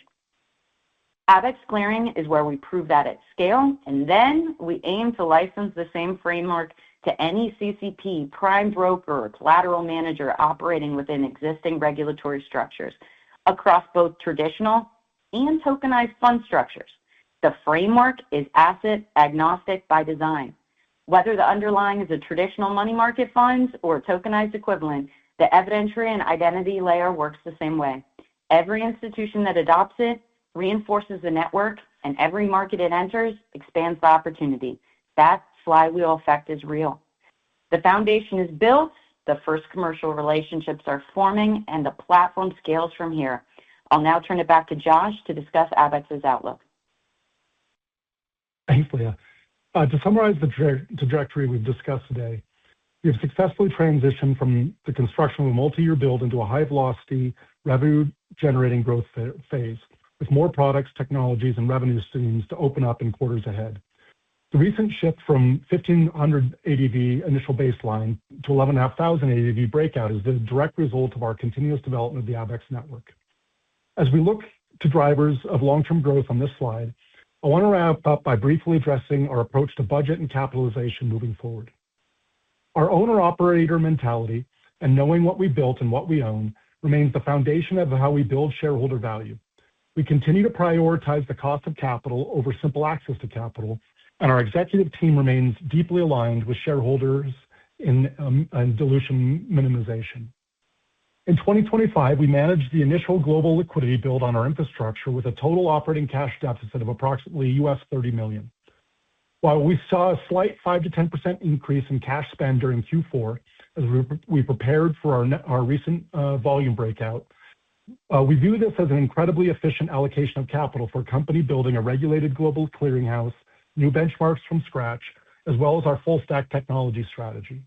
Abaxx Clearing is where we prove that at scale, and then we aim to license the same framework to any CCP, prime broker, or collateral manager operating within existing regulatory structures across both traditional and tokenized fund structures. The framework is asset agnostic by design. Whether the underlying is a traditional money market fund or a tokenized equivalent, the evidentiary and identity layer works the same way. Every institution that adopts it reinforces the network, and every market it enters expands the opportunity. That flywheel effect is real. The foundation is built, the first commercial relationships are forming, and the platform scales from here. I'll now turn it back to Josh to discuss Abaxx's outlook. Thanks, Leah. To summarize the trajectory we've discussed today, we have successfully transitioned from the construction of a multi-year build into a high-velocity, revenue-generating growth phase with more products, technologies, and revenue streams to open up in quarters ahead. The recent shift from 1,500 ADV initial baseline to 11,500 ADV breakout is the direct result of our continuous development of the Abaxx network. As we look to drivers of long-term growth on this slide, I want to wrap up by briefly addressing our approach to budget and capitalization moving forward. Our owner-operator mentality and knowing what we built and what we own remains the foundation of how we build shareholder value. We continue to prioritize the cost of capital over simple access to capital, and our executive team remains deeply aligned with shareholders in dilution minimization. In 2025, we managed the initial global liquidity build on our infrastructure with a total operating cash deficit of approximately $30 million. While we saw a slight 5%-10% increase in cash spend during Q4 as we prepared for our recent volume breakout, we view this as an incredibly efficient allocation of capital for a company building a regulated global clearinghouse, new benchmarks from scratch, as well as our full stack technology strategy.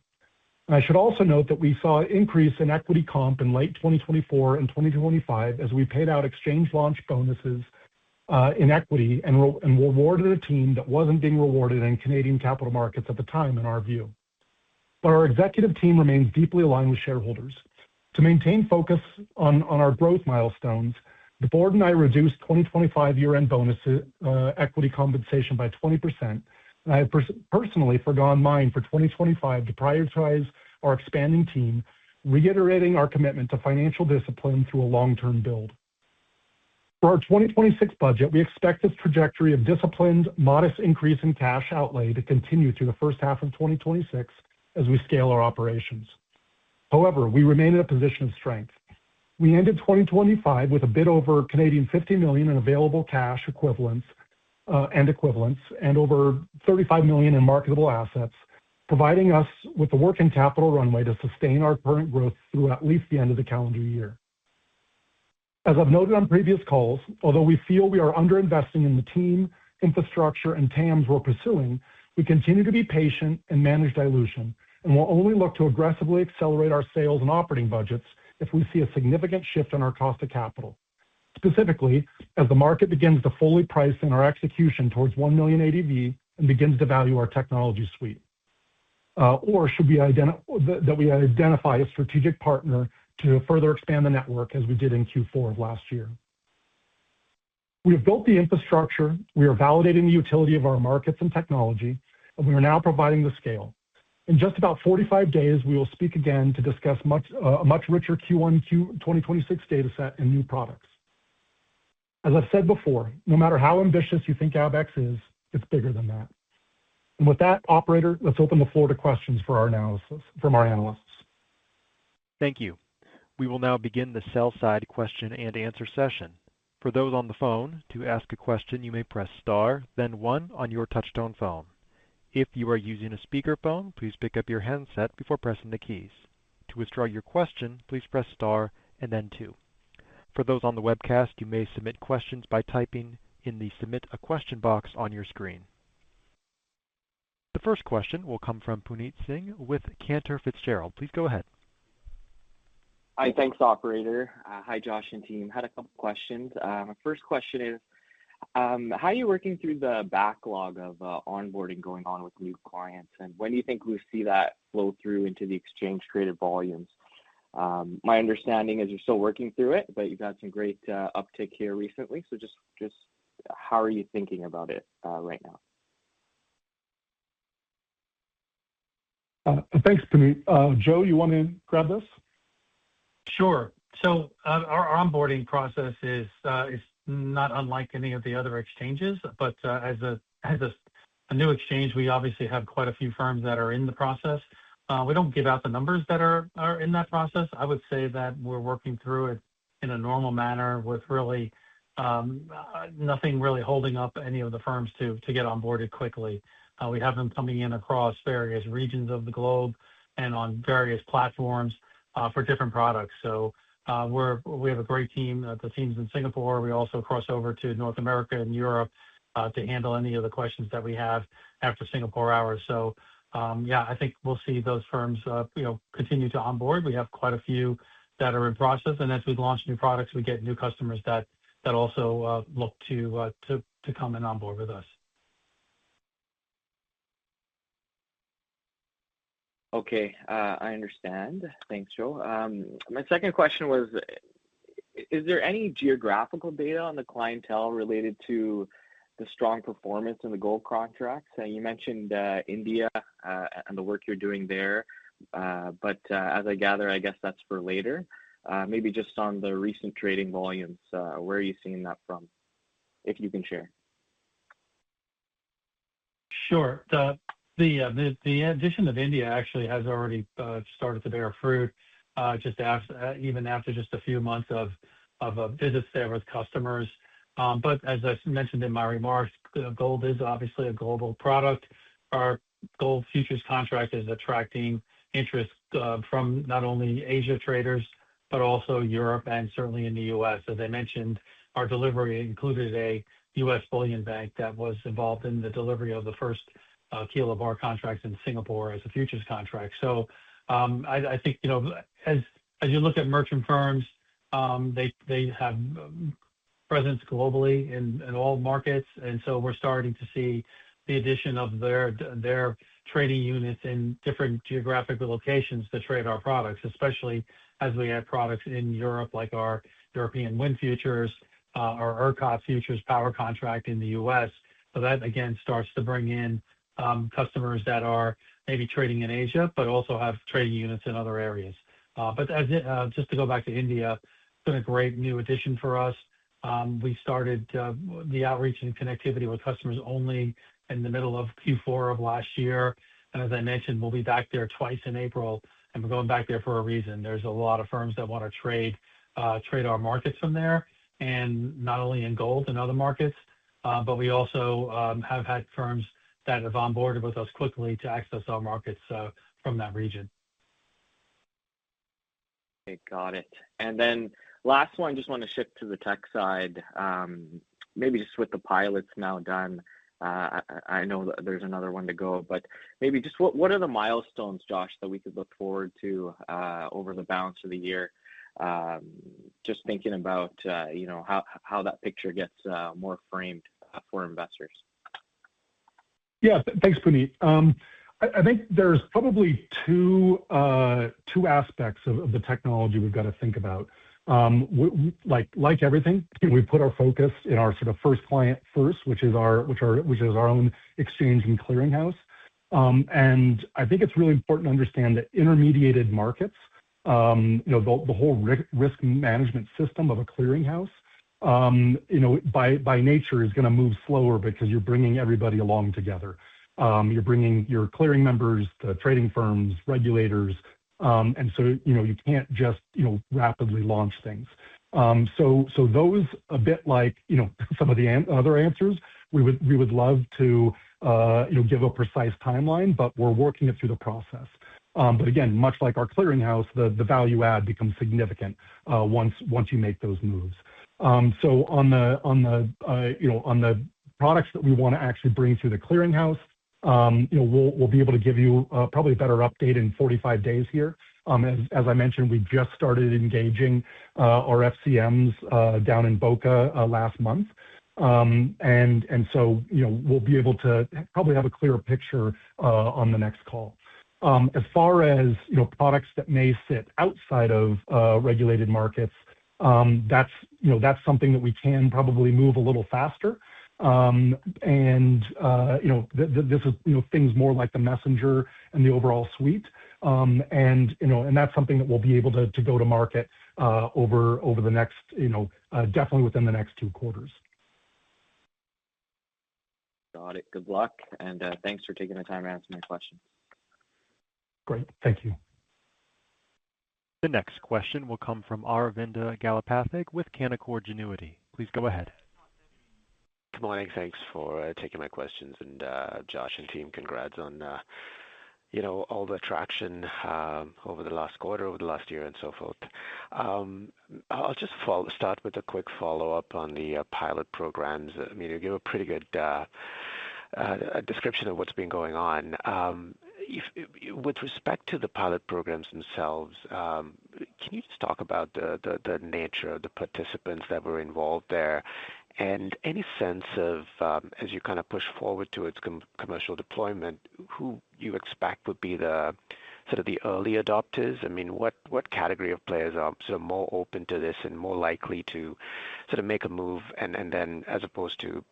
I should also note that we saw an increase in equity comp in late 2024 and 2025 as we paid out exchange launch bonuses in equity and rewarded a team that wasn't being rewarded in Canadian capital markets at the time, in our view. Our executive team remains deeply aligned with shareholders. To maintain focus on our growth milestones, the board and I reduced 2025 year-end bonuses equity compensation by 20%, and I have personally foregone mine for 2025 to prioritize our expanding team, reiterating our commitment to financial discipline through a long-term build. For our 2026 budget, we expect this trajectory of disciplined, modest increase in cash outlay to continue through the first half of 2026 as we scale our operations. However, we remain in a position of strength. We ended 2025 with a bit over 50 million in available cash equivalents, and over 35 million in marketable assets, providing us with the working capital runway to sustain our current growth through at least the end of the calendar year. As I've noted on previous calls, although we feel we are under-investing in the team, infrastructure, and TAMs we're pursuing, we continue to be patient and manage dilution, and will only look to aggressively accelerate our sales and operating budgets if we see a significant shift in our cost of capital. Specifically, as the market begins to fully price in our execution towards 1 million ADV and begins to value our technology suite, or that we identify a strategic partner to further expand the network as we did in Q4 of last year. We have built the infrastructure, we are validating the utility of our markets and technology, and we are now providing the scale. In just about 45 days, we will speak again to discuss a much richer Q1 2026 data set and new products. As I've said before, no matter how ambitious you think Abaxx is, it's bigger than that. With that, operator, let's open the floor to questions from our analysts. Thank you. We will now begin the sell-side question and answer session. For those on the phone, to ask a question, you may press star then one on your touchtone phone. If you are using a speakerphone, please pick up your handset before pressing the keys. To withdraw your question, please press star and then two. For those on the webcast, you may submit questions by typing in the Submit a Question box on your screen. The first question will come from Puneet Singh with Cantor Fitzgerald. Please go ahead. Thanks, operator. Hi, Josh and team. I had a couple questions. My first question is, how are you working through the backlog of onboarding going on with new clients, and when do you think we'll see that flow through into the exchange traded volumes? My understanding is you're still working through it, but you've had some great uptick here recently, so just how are you thinking about it right now? Thanks, Puneet. Joe, you want to grab this? Sure. Our onboarding process is not unlike any of the other exchanges, but as a new exchange, we obviously have quite a few firms that are in the process. We don't give out the numbers that are in that process. I would say that we're working through it in a normal manner with really nothing really holding up any of the firms to get onboarded quickly. We have them coming in across various regions of the globe and on various platforms for different products. We have a great team. The teams in Singapore, we also cross over to North America and Europe, to handle any of the questions that we have after Singapore hours. Yeah, I think we'll see those firms continue to onboard. We have quite a few that are in process, and as we launch new products, we get new customers that also look to come and onboard with us. Okay. I understand. Thanks, Joe. My second question was, is there any geographical data on the clientele related to the strong performance in the gold contracts? You mentioned India and the work you're doing there, but as I gather, I guess that's for later. Maybe just on the recent trading volumes, where are you seeing that from? If you can share. Sure. The addition of India actually has already started to bear fruit, even after just a few months of a business there with customers. As I mentioned in my remarks, gold is obviously a global product. Our gold futures contract is attracting interest from not only Asia traders, but also Europe and certainly in the U.S. As I mentioned, our delivery included a U.S. bullion bank that was involved in the delivery of the first kilobar contracts in Singapore as a futures contract. I think, as you look at merchant firms, they have presence globally in all markets, and so we're starting to see the addition of their trading units in different geographical locations to trade our products, especially as we add products in Europe, like our European wind futures, our ERCOT futures power contract in the U.S. That, again, starts to bring in customers that are maybe trading in Asia, but also have trading units in other areas. Just to go back to India, it's been a great new addition for us. We started the outreach and connectivity with customers only in the middle of Q4 of last year. As I mentioned, we'll be back there twice in April, and we're going back there for a reason. There's a lot of firms that want to trade our markets from there, and not only in gold and other markets, but we also have had firms that have onboarded with us quickly to access our markets from that region. Okay, got it. Last one, just want to shift to the tech side. Maybe just with the pilots now done, I know there's another one to go, but maybe just what are the milestones, Josh, that we could look forward to over the balance of the year? Just thinking about how that picture gets more framed for investors. Yeah. Thanks, Puneet. I think there's probably two aspects of the technology we've got to think about. Like everything, we put our focus in our sort of first client first, which is our own exchange and clearinghouse. I think it's really important to understand that intermediated markets, the whole risk management system of a clearinghouse, by nature is going to move slower because you're bringing everybody along together. You're bringing your clearing members, the trading firms, regulators, and so you can't just rapidly launch things. Those, a bit like some of the other answers, we would love to give a precise timeline, but we're working it through the process. Again, much like our clearinghouse, the value add becomes significant once you make those moves. On the products that we want to actually bring through the clearinghouse, we'll be able to give you probably a better update in 45 days here. As I mentioned, we just started engaging our FCMs down in Boca last month. We'll be able to probably have a clearer picture on the next call. As far as products that may sit outside of regulated markets, that's something that we can probably move a little faster. This is things more like the messenger and the overall suite. That's something that we'll be able to go to market definitely within the next two quarters. Got it. Good luck, and thanks for taking the time to answer my question. Great. Thank you. The next question will come from Aravinda Galappatthige with Canaccord Genuity. Please go ahead. Good morning. Thanks for taking my questions, and Josh and team, congrats on all the traction over the last quarter, over the last year and so forth. I'll just start with a quick follow-up on the pilot programs. You gave a pretty good description of what's been going on. With respect to the pilot programs themselves, can you just talk about the nature of the participants that were involved there? Any sense of, as you kind of push forward to its commercial deployment, who you expect would be the sort of the early adopters? I mean, what category of players are sort of more open to this and more likely to sort of make a move and then as opposed to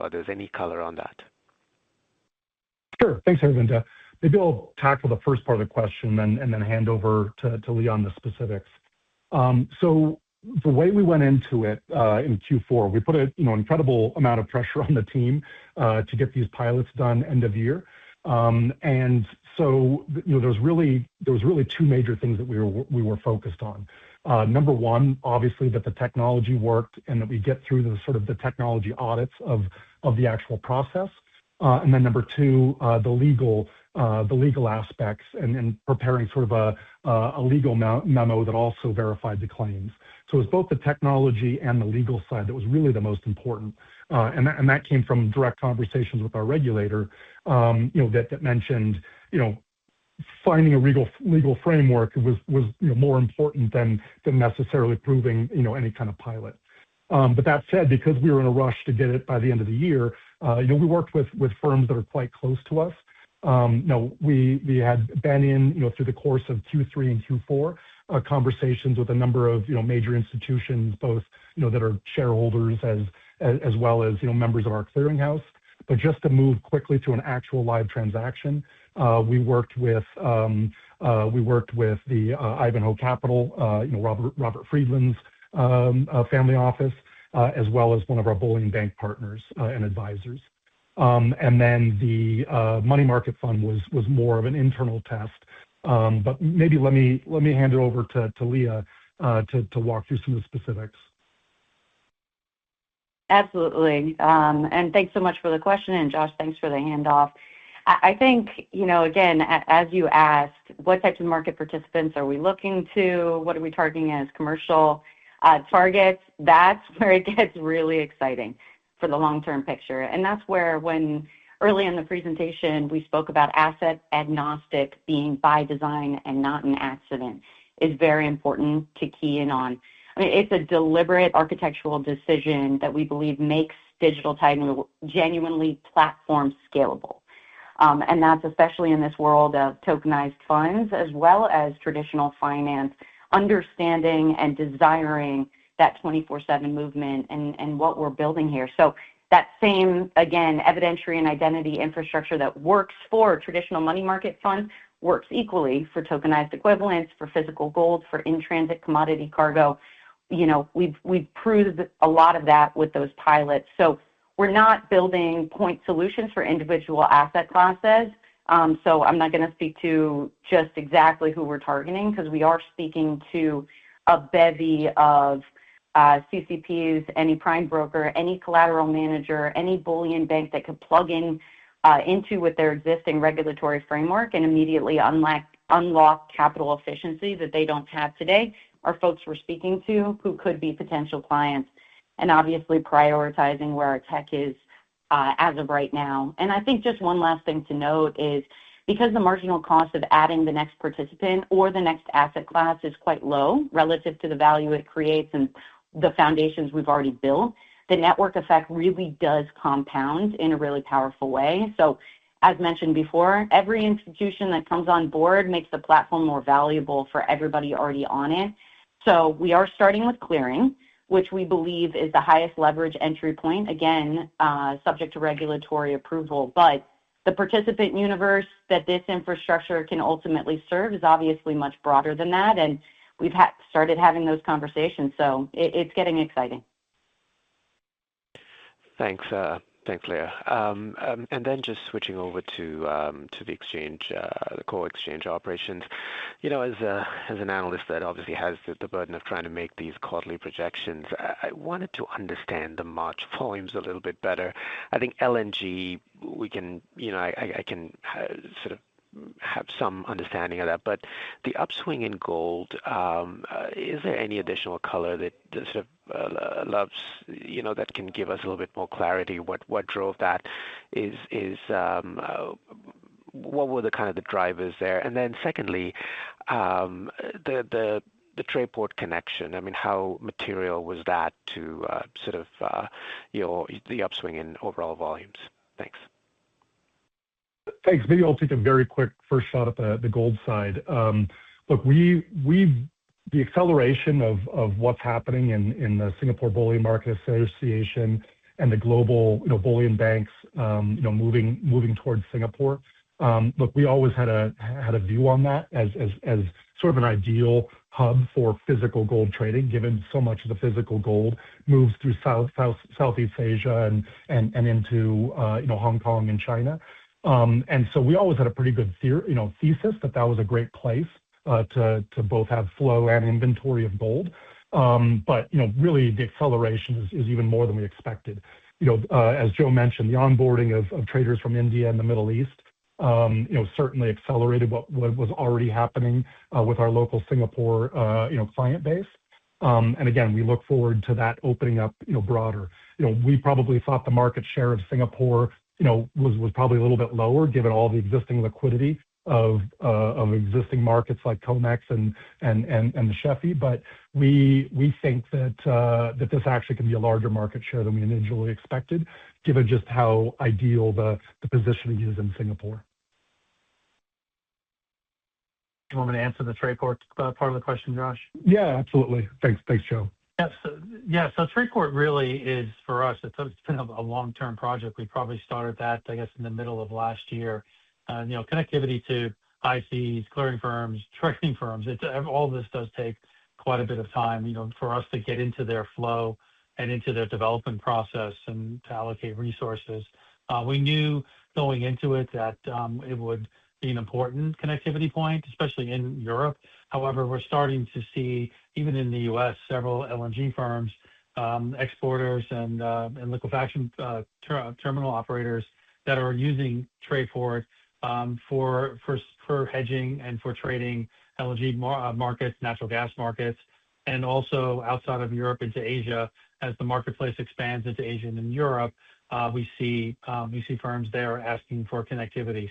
others? Any color on that? Sure. Thanks, Aravinda. Maybe I'll tackle the first part of the question and then hand over to Leah on the specifics. The way we went into it in Q4, we put an incredible amount of pressure on the team to get these pilots done end of year. There was really two major things that we were focused on. Number one, obviously, that the technology worked and that we get through the sort of the technology audits of the actual process. Number two, the legal aspects and preparing sort of a legal memo that also verified the claims. It was both the technology and the legal side that was really the most important. That came from direct conversations with our regulator that mentioned finding a legal framework was more important than necessarily proving any kind of pilot. That said, because we were in a rush to get it by the end of the year, we worked with firms that are quite close to us. Now, we had been in, through the course of Q3 and Q4, conversations with a number of major institutions, both that are shareholders as well as members of our clearing house. Just to move quickly to an actual live transaction, we worked with Ivanhoe Capital, Robert Friedland's family office, as well as one of our bullion bank partners and advisors. Then the money market fund was more of an internal test. Maybe let me hand it over to Leah to walk through some of the specifics. Absolutely. Thanks so much for the question. Josh, thanks for the handoff. I think, again, as you asked, what types of market participants are we looking to? What are we targeting as commercial targets? That's where it gets really exciting for the long-term picture. That's where, when early in the presentation, we spoke about asset agnostic being by design and not an accident, is very important to key in on. It's a deliberate architectural decision that we believe makes Digital Title genuinely platform scalable. That's especially in this world of tokenized funds as well as traditional finance, understanding and desiring that 24/7 movement and what we're building here. That same, again, evidentiary and identity infrastructure that works for traditional money market funds works equally for tokenized equivalents, for physical gold, for in-transit commodity cargo. We've proved a lot of that with those pilots. We're not building point solutions for individual asset classes. I'm not going to speak to just exactly who we're targeting because we are speaking to a bevy of CCPs, any prime broker, any collateral manager, any bullion bank that could plug into with their existing regulatory framework and immediately unlock capital efficiency that they don't have today, are folks we're speaking to who could be potential clients, and obviously prioritizing where our tech is, as of right now. I think just one last thing to note is because the marginal cost of adding the next participant or the next asset class is quite low relative to the value it creates and the foundations we've already built, the network effect really does compound in a really powerful way. As mentioned before, every institution that comes on board makes the platform more valuable for everybody already on it. We are starting with clearing, which we believe is the highest leverage entry point, again, subject to regulatory approval. The participant universe that this infrastructure can ultimately serve is obviously much broader than that, and we've started having those conversations, so it's getting exciting. Thanks, Leah. Just switching over to the core exchange operations. As an analyst that obviously has the burden of trying to make these quarterly projections, I wanted to understand the March volumes a little bit better. I think LNG, I can have some understanding of that, but the upswing in gold, is there any additional color that can give us a little bit more clarity? What drove that? What were the kind of the drivers there? Secondly, the Trayport connection. I mean, how material was that to the upswing in overall volumes? Thanks. Thanks. Maybe I'll take a very quick first shot at the gold side. Look, the acceleration of what's happening in the Singapore Bullion Market Association and the global bullion banks moving towards Singapore. Look, we always had a view on that as sort of an ideal hub for physical gold trading, given so much of the physical gold moves through Southeast Asia and into Hong Kong and China. We always had a pretty good thesis that that was a great place to both have flow and inventory of gold. Really the acceleration is even more than we expected. As Joe mentioned, the onboarding of traders from India and the Middle East certainly accelerated what was already happening with our local Singapore client base. Again, we look forward to that opening up broader. We probably thought the market share of Singapore was probably a little bit lower given all the existing liquidity of existing markets like COMEX and the SHFE. We think that this actually can be a larger market share than we initially expected, given just how ideal the positioning is in Singapore. You want me to answer the Trayport part of the question, Josh? Yeah, absolutely. Thanks, Joe. Yeah. Trayport really is for us, it's been a long-term project. We probably started that, I guess, in the middle of last year. Connectivity to IBs, clearing firms, trading firms, all this does take quite a bit of time, for us to get into their flow and into their development process and to allocate resources. We knew going into it that it would be an important connectivity point, especially in Europe. However, we're starting to see, even in the U.S., several LNG firms, exporters, and liquefaction terminal operators that are using Trayport for hedging and for trading LNG markets, natural gas markets, and also outside of Europe into Asia. As the marketplace expands into Asia and then Europe, we see firms there asking for connectivity.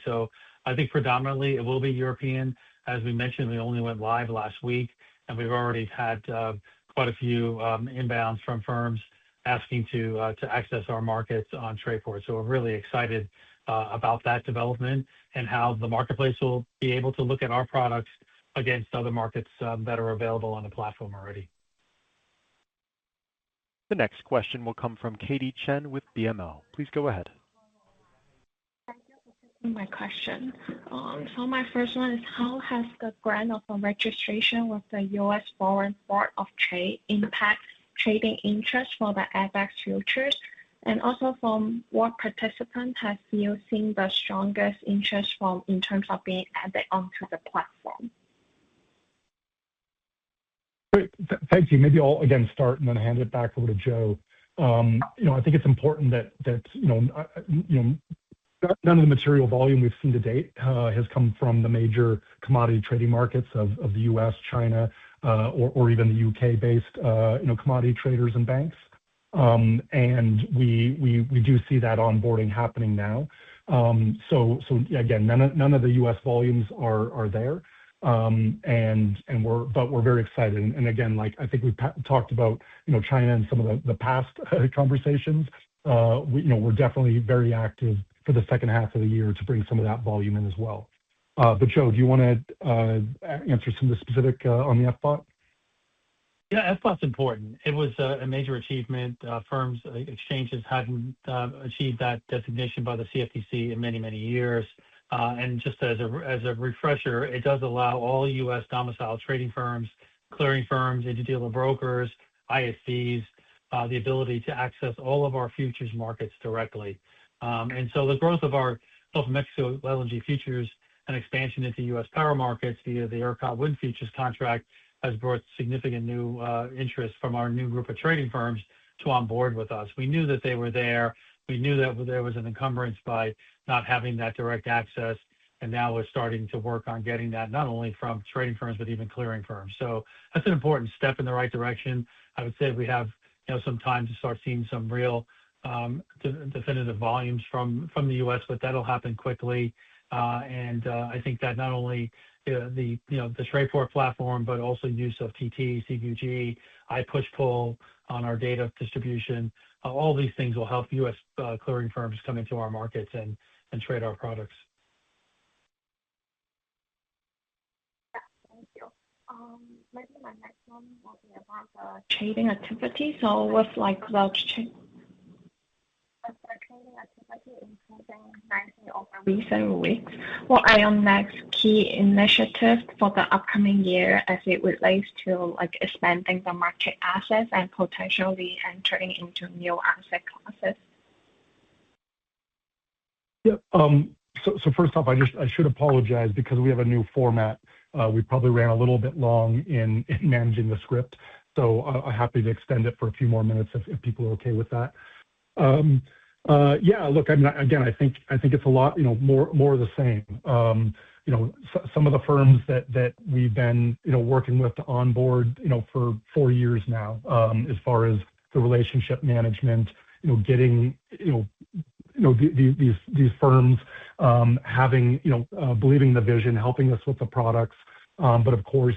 I think predominantly it will be European. As we mentioned, we only went live last week, and we've already had quite a few inbounds from firms asking to access our markets on Trayport. We're really excited about that development and how the marketplace will be able to look at our products. Against other markets that are available on the platform already. The next question will come from Tamy Chen with BMO. Please go ahead. Thank you for taking my question. My first one is, how has the grant of registration with the U.S. Foreign Board of Trade impact trading interest for the Abaxx futures? From what participant have you seen the strongest interest from in terms of being added onto the platform? Great. Thank you. Maybe I'll again start and then hand it back over to Joe. I think it's important that none of the material volume we've seen to date has come from the major commodity trading markets of the U.S., China, or even the U.K.-based commodity traders and banks. We do see that onboarding happening now. Again, none of the U.S. volumes are there. We're very excited. I think we've talked about China in some of the past conversations. We're definitely very active for the second half of the year to bring some of that volume in as well. Joe, do you want to answer some of the specific on the FBOT? Yeah, FBOT's important. It was a major achievement. Firms, exchanges hadn't achieved that designation by the CFTC in many, many years. Just as a refresher, it does allow all U.S. domiciled trading firms, clearing firms, interdealer brokers, IBs, the ability to access all of our futures markets directly. The growth of our Gulf of Mexico LNG futures and expansion into U.S. power markets via the ERCOT wind futures contract has brought significant new interest from our new group of trading firms to onboard with us. We knew that they were there. We knew that there was an encumbrance by not having that direct access, and now we're starting to work on getting that, not only from trading firms, but even clearing firms. That's an important step in the right direction. I would say we have some time to start seeing some real definitive volumes from the U.S., but that'll happen quickly. I think that not only the Trayport platform, but also use of TT, CQG, iPushPull on our data distribution, all these things will help U.S. clearing firms come into our markets and trade our products. Yeah. Thank you. Maybe my next one will be about the trading activity. As the trading activity improving nicely over recent weeks, what are your next key initiatives for the upcoming year as it relates to expanding the market assets and potentially entering into new asset classes? Yep. First off, I should apologize because we have a new format. We probably ran a little bit long in managing the script, so I'm happy to extend it for a few more minutes if people are okay with that. Yeah, look, again, I think it's a lot more of the same. Some of the firms that we've been working with to onboard for four years now, as far as the relationship management, getting these firms believing the vision, helping us with the products. Of course,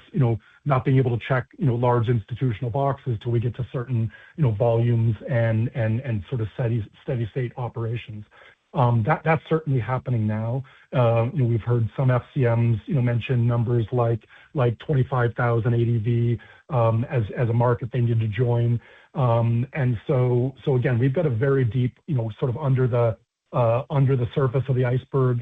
not being able to check large institutional boxes till we get to certain volumes and sort of steady state operations. That's certainly happening now. We've heard some FCMs mention numbers like 25,000 ADV as a market they need to join. Again, we've got a very deep, sort of under the surface of the iceberg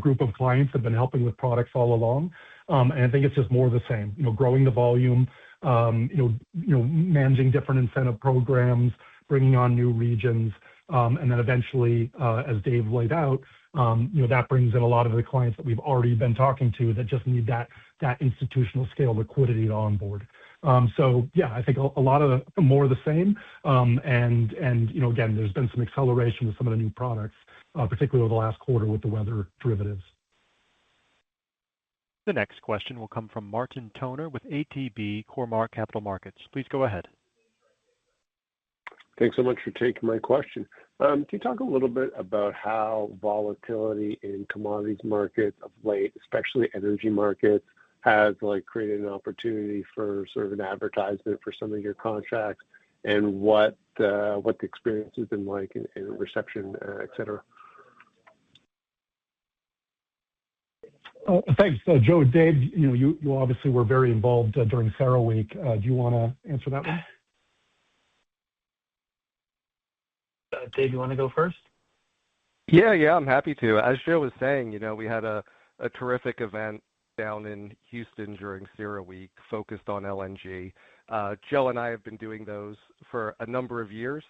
group of clients have been helping with products all along. I think it's just more of the same. Growing the volume, managing different incentive programs, bringing on new regions, and then eventually, as Dave laid out, that brings in a lot of the clients that we've already been talking to that just need that institutional scale liquidity to onboard. Yeah, I think more of the same. Again, there's been some acceleration with some of the new products, particularly over the last quarter with the weather derivatives. The next question will come from Martin Toner with ATB Capital Markets. Please go ahead. Thanks so much for taking my question. Can you talk a little bit about how volatility in commodities markets of late, especially energy markets, has created an opportunity for sort of an advertisement for some of your contracts and what the experience has been like and reception, et cetera? Thanks. Joe, Dave, you obviously were very involved during CERAWeek. Do you want to answer that one? David, you want to go first? Yeah. I'm happy to. As Joe was saying, we had a terrific event down in Houston during CERAWeek focused on LNG. Joe and I have been doing those for a number of years,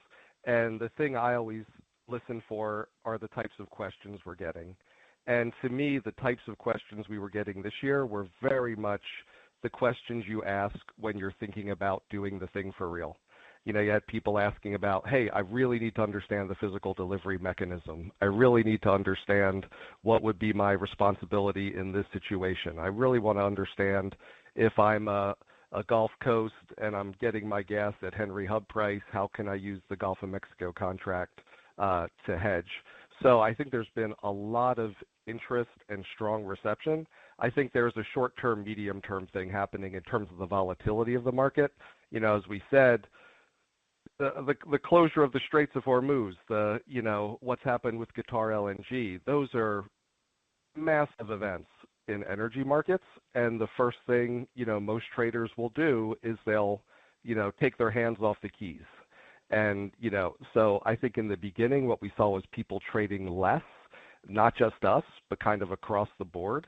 and the thing I always listen for are the types of questions we're getting. To me, the types of questions we were getting this year were very much the questions you ask when you're thinking about doing the thing for real. You had people asking about, hey, I really need to understand the physical delivery mechanism. I really need to understand what would be my responsibility in this situation. I really want to understand if I'm a Gulf Coast and I'm getting my gas at Henry Hub price, how can I use the Gulf of Mexico contract to hedge? I think there's been a lot of interest and strong reception. I think there's a short-term, medium-term thing happening in terms of the volatility of the market. As we said. The closure of the Straits of Hormuz, what's happened with Qatar LNG, those are massive events in energy markets. The first thing most traders will do is they'll take their hands off the keys. I think in the beginning, what we saw was people trading less, not just us, but kind of across the board,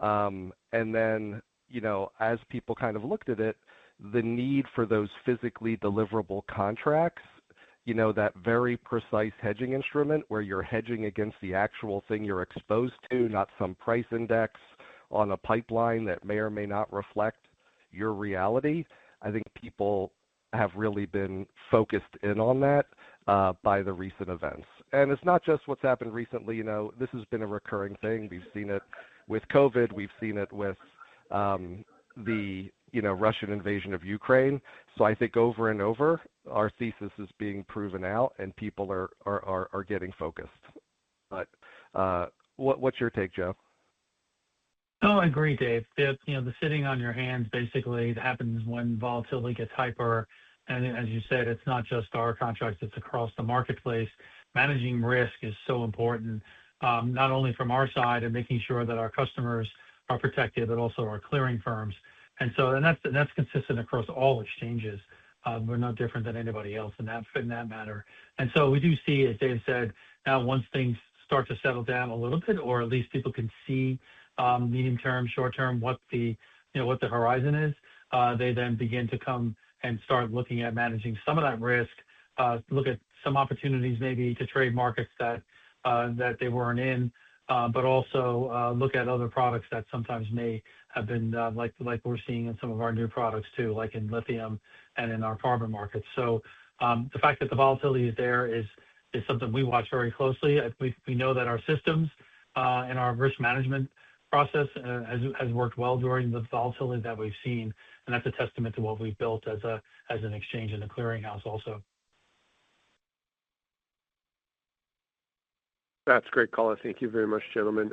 as people kind of looked at it, the need for those physically deliverable contracts, that very precise hedging instrument where you're hedging against the actual thing you're exposed to, not some price index on a pipeline that may or may not reflect your reality. I think people have really been focused in on that, by the recent events. It's not just what's happened recently. This has been a recurring thing. We've seen it with COVID. We've seen it with the Russian invasion of Ukraine. I think over and over, our thesis is being proven out and people are getting focused. What's your take, Joe? I agree, Dave. The sitting on your hands basically happens when volatility gets hyper. As you said, it's not just our contracts, it's across the marketplace. Managing risk is so important, not only from our side and making sure that our customers are protected, but also our clearing firms. That's consistent across all exchanges. We're no different than anybody else in that matter. We do see, as Dave said, now once things start to settle down a little bit or at least people can see, medium-term, short-term, what the horizon is, they then begin to come and start looking at managing some of that risk, look at some opportunities maybe to trade markets that they weren't in. Also, look at other products that sometimes may have been, like we're seeing in some of our new products too, like in lithium and in our carbon markets. The fact that the volatility is there is something we watch very closely. We know that our systems, and our risk management process has worked well during the volatility that we've seen, and that's a testament to what we've built as an exchange and a clearinghouse also. That's great color. Thank you very much, gentlemen.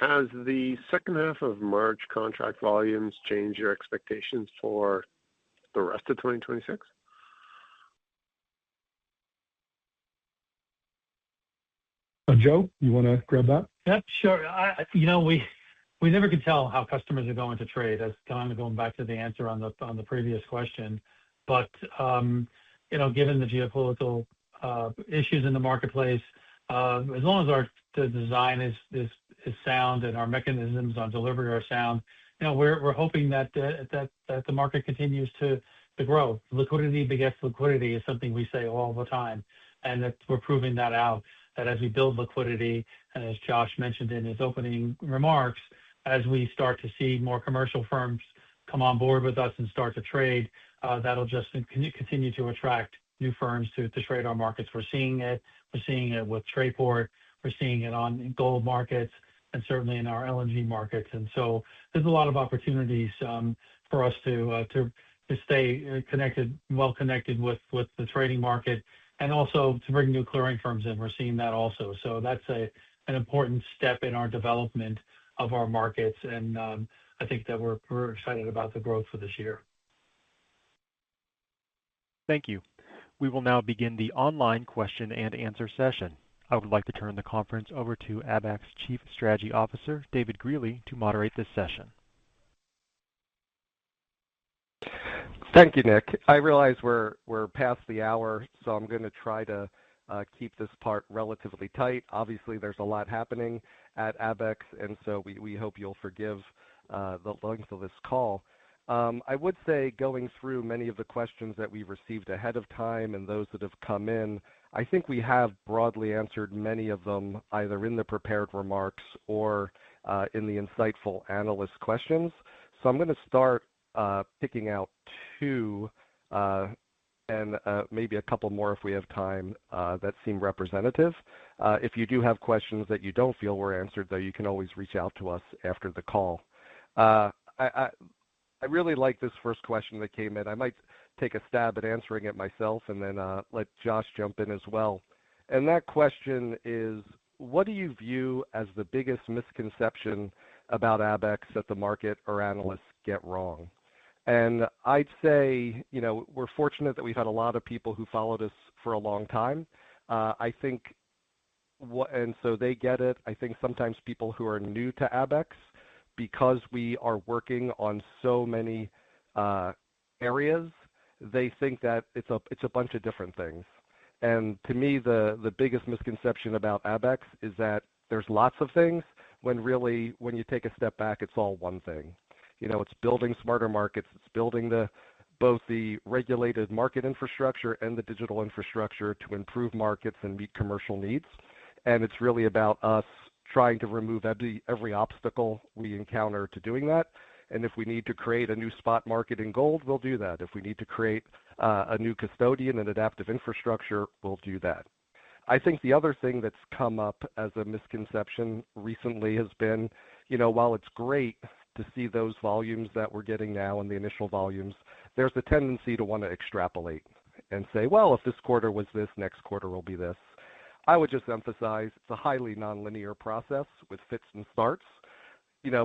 Has the second half of March contract volumes changed your expectations for the rest of 2026? Joe, you want to grab that? Yeah, sure. We never can tell how customers are going to trade. That's kind of going back to the answer on the previous question. Given the geopolitical issues in the marketplace, as long as our design is sound and our mechanisms on delivery are sound, we're hoping that the market continues to grow. Liquidity begets liquidity is something we say all the time, and that we're proving that out. That as we build liquidity, and as Josh mentioned in his opening remarks, as we start to see more commercial firms come on board with us and start to trade, that'll just continue to attract new firms to trade our markets. We're seeing it. We're seeing it with Trayport. We're seeing it on gold markets and certainly in our LNG markets. There's a lot of opportunities for us to stay well connected with the trading market and also to bring new clearing firms in. We're seeing that also. That's an important step in our development of our markets. I think that we're excited about the growth for this year. Thank you. We will now begin the online question and answer session. I would like to turn the conference over to Abaxx Chief Strategy Officer, David Greely, to moderate this session. Thank you, Nick. I realize we're past the hour, so I'm going to try to keep this part relatively tight. Obviously, there's a lot happening at Abaxx, and so we hope you'll forgive the length of this call. I would say going through many of the questions that we received ahead of time and those that have come in, I think we have broadly answered many of them, either in the prepared remarks or in the insightful analyst questions. I'm going to start picking out two, and maybe a couple more if we have time, that seem representative. If you do have questions that you don't feel were answered, though, you can always reach out to us after the call. I really like this first question that came in. I might take a stab at answering it myself and then let Josh jump in as well. That question is: what do you view as the biggest misconception about Abaxx that the market or analysts get wrong? I'd say, we're fortunate that we've had a lot of people who followed us for a long time. So they get it. I think sometimes people who are new to Abaxx, because we are working on so many areas, they think that it's a bunch of different things. To me, the biggest misconception about Abaxx is that there's lots of things when really when you take a step back, it's all one thing. It's building smarter markets. It's building both the regulated market infrastructure and the digital infrastructure to improve markets and meet commercial needs. It's really about us trying to remove every obstacle we encounter to doing that. If we need to create a new spot market in gold, we'll do that. If we need to create a new custodian and adaptive infrastructure, we'll do that. I think the other thing that's come up as a misconception recently has been, while it's great to see those volumes that we're getting now and the initial volumes, there's the tendency to want to extrapolate and say, well, if this quarter was this, next quarter will be this. I would just emphasize it's a highly nonlinear process with fits and starts.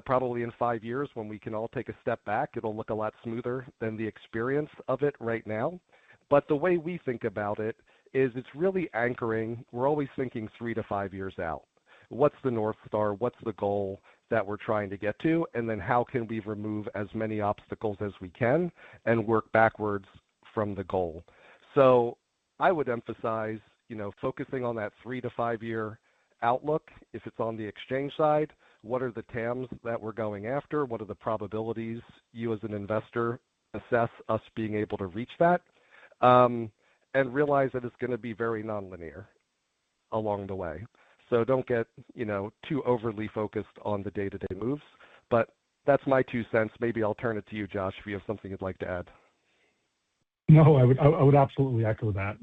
Probably in five years when we can all take a step back, it'll look a lot smoother than the experience of it right now. The way we think about it is it's really anchoring. We're always thinking three to five years out. What's the North Star? What's the goal that we're trying to get to? How can we remove as many obstacles as we can and work backwards from the goal? I would emphasize focusing on that three to five-year outlook. If it's on the exchange side, what are the TAMs that we're going after? What are the probabilities you as an investor assess us being able to reach that? Realize that it's going to be very nonlinear along the way. Don't get too overly focused on the day-to-day moves. That's my two cents. Maybe I'll turn it to you, Josh, if you have something you'd like to add. No, I would absolutely echo that.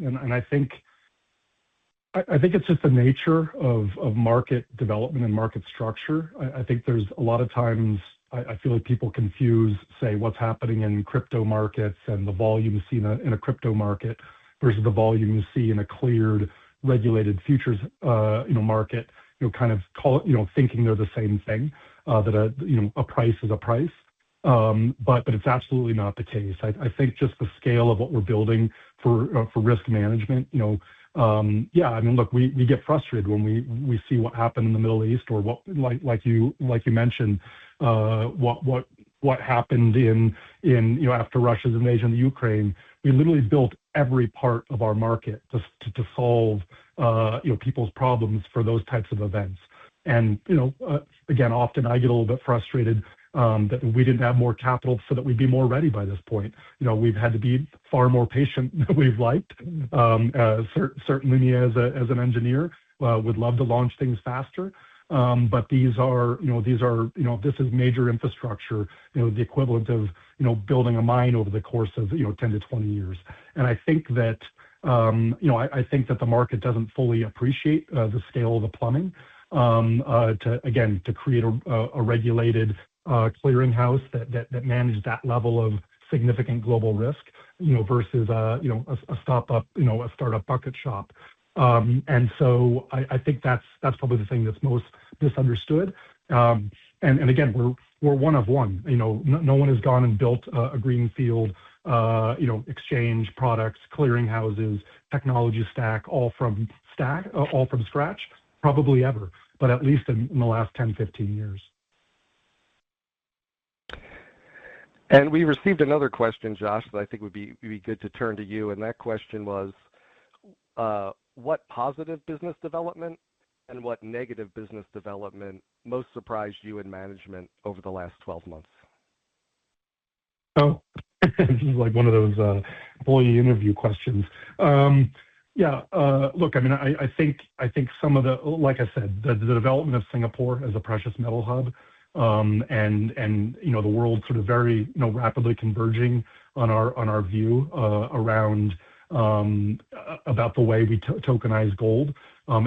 I think it's just the nature of market development and market structure. I think there's a lot of times I feel like people confuse, say, what's happening in crypto markets and the volume you see in a crypto market versus the volume you see in a cleared, regulated futures market, kind of thinking they're the same thing, that a price is a price, but it's absolutely not the case. I think just the scale of what we're building for risk management, yeah. Look, we get frustrated when we see what happened in the Middle East or like you mentioned, what happened after Russia's invasion of Ukraine. We literally built every part of our market just to solve people's problems for those types of events. Again, often I get a little bit frustrated that we didn't have more capital so that we'd be more ready by this point. We've had to be far more patient than we've liked. Certainly me as an engineer would love to launch things faster. This is major infrastructure, the equivalent of building a mine over the course of 10-20 years. I think that the market doesn't fully appreciate the scale of the plumbing, again, to create a regulated clearinghouse that manages that level of significant global risk versus a startup bucket shop. I think that's probably the thing that's most misunderstood. Again, we're one of one. No one has gone and built a greenfield exchange, products, clearinghouses, technology stack, all from scratch, probably ever, but at least in the last 10-15 years. We received another question, Josh, that I think would be good to turn to you, and that question was: what positive business development and what negative business development most surprised you in management over the last 12 months? This is like one of those employee interview questions. Yeah. Look, I think, like I said, the development of Singapore as a precious metal hub and the world sort of very rapidly converging on our view around about the way we tokenize gold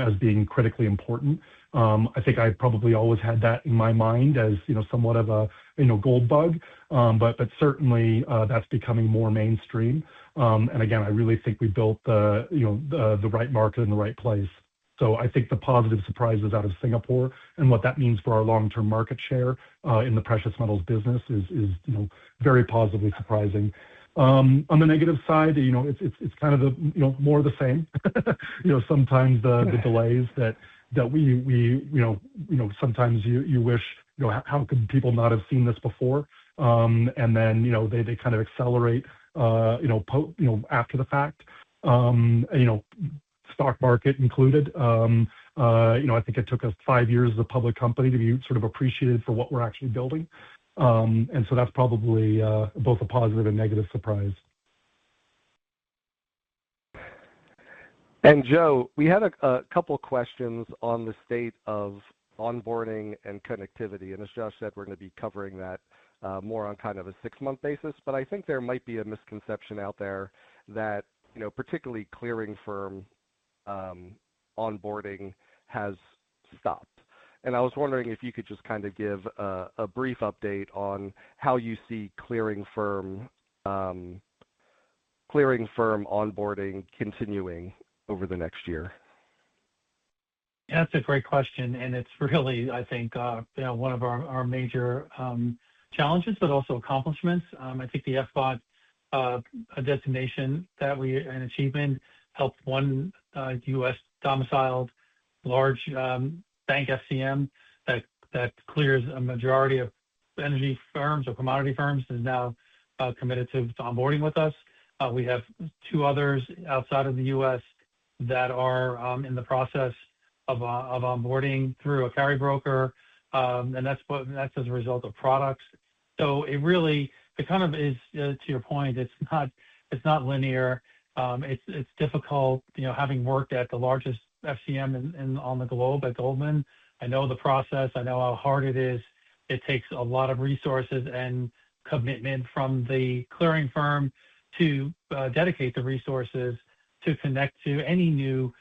as being critically important. I think I probably always had that in my mind as somewhat of a gold bug, but certainly that's becoming more mainstream. Again, I really think we built the right market in the right place. I think the positive surprise is out of Singapore and what that means for our long-term market share in the precious metals business is very positively surprising. On the negative side, it's kind of more of the same. Sometimes the delays that sometimes you wish, how could people not have seen this before? Then they kind of accelerate after the fact. Stock market included. I think it took us five years as a public company to be sort of appreciated for what we're actually building. That's probably both a positive and negative surprise. Joe, we had a couple questions on the state of onboarding and connectivity, and as Josh said, we're going to be covering that more on kind of a six-month basis. I think there might be a misconception out there that particularly clearing firm onboarding has stopped. I was wondering if you could just kind of give a brief update on how you see clearing firm onboarding continuing over the next year. That's a great question, and it's really, I think, one of our major challenges, but also accomplishments. I think the FBOT designation that we achieved helped one U.S.-domiciled large bank FCM that clears a majority of energy firms or commodity firms, is now committed to onboarding with us. We have two others outside of the U.S. that are in the process of onboarding through a carry broker, and that's as a result of products. It really, it kind of is to your point, it's not linear. It's difficult having worked at the largest FCM on the globe at Goldman. I know the process. I know how hard it is. It takes a lot of resources and commitment from the clearing firm to dedicate the resources to connect to any new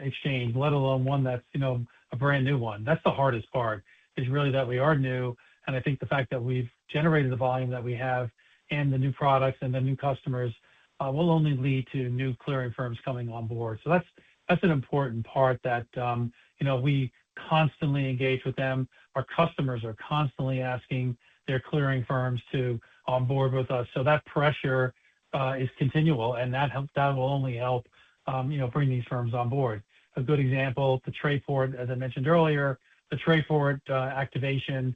exchange, let alone one that's a brand-new one. That's the hardest part, is really that we are new, and I think the fact that we've generated the volume that we have and the new products and the new customers will only lead to new clearing firms coming on board. That's an important part that we constantly engage with them. Our customers are constantly asking their clearing firms to onboard with us. That pressure is continual, and that will only help bring these firms on board. A good example, the Trayport, as I mentioned earlier, the Trayport activation,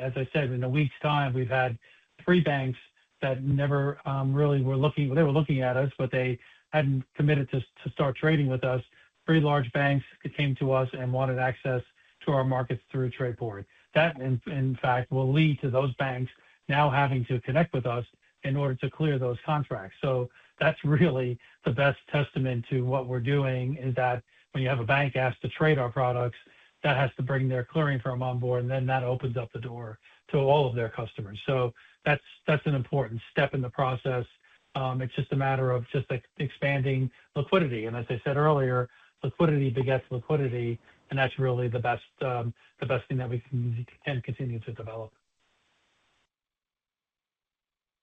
as I said, in a week's time, we've had three banks that were looking at us, but they hadn't committed to start trading with us. Three large banks came to us and wanted access to our markets through Trayport. That, in fact, will lead to those banks now having to connect with us in order to clear those contracts. That's really the best testament to what we're doing, is that when you have a bank ask to trade our products, that has to bring their clearing firm on board, and then that opens up the door to all of their customers. That's an important step in the process. It's just a matter of just expanding liquidity. As I said earlier, liquidity begets liquidity, and that's really the best thing that we can continue to develop.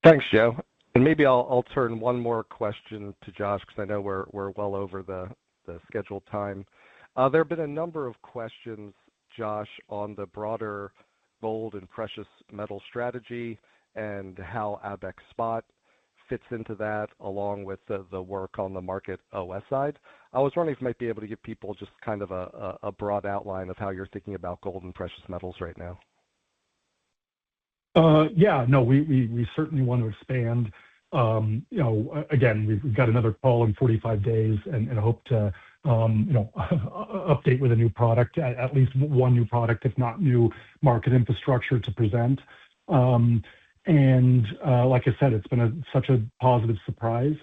Thanks, Joe. Maybe I'll turn one more question to Josh because I know we're well over the scheduled time. There have been a number of questions, Josh, on the broader gold and precious metal strategy and how Abaxx Spot fits into that, along with the work on the MarketOS side. I was wondering if you might be able to give people just a broad outline of how you're thinking about gold and precious metals right now. Yeah. No, we certainly want to expand. Again, we've got another call in 45 days and hope to update with a new product, at least one new product, if not new market infrastructure to present. Like I said, it's been such a positive surprise.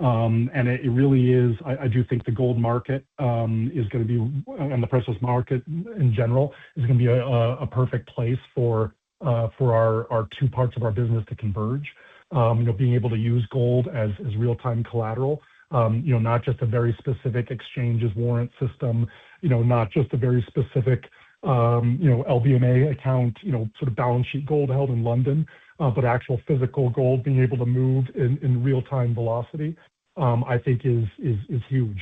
It really is. I do think the gold market and the precious market, in general, is going to be a perfect place for our two parts of our business to converge. Being able to use gold as real-time collateral, not just a very specific exchanges warrant system, not just a very specific LBMA account sort of balance sheet gold held in London, but actual physical gold being able to move in real-time velocity, I think is huge.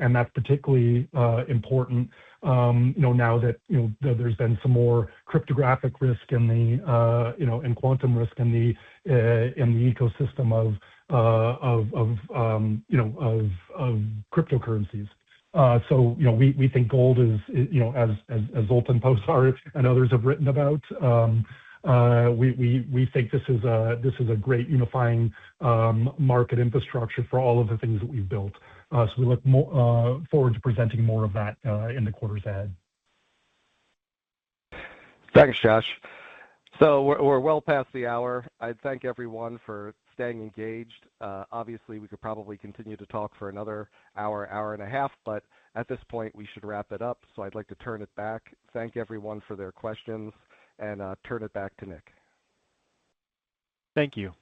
That's particularly important now that there's been some more cryptographic risk and quantum risk in the ecosystem of cryptocurrencies. We think gold is, as Zoltan Pozsar and others have written about, we think this is a great unifying market infrastructure for all of the things that we've built. We look forward to presenting more of that in the quarters ahead. Thanks, Josh. We're well past the hour. I thank everyone for staying engaged. Obviously, we could probably continue to talk for another hour and a half, but at this point, we should wrap it up. I'd like to thank everyone for their questions and turn it back to Nick. Thank you.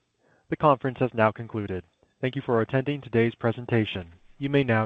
The conference has now concluded. Thank you for attending today's presentation. You may now disconnect.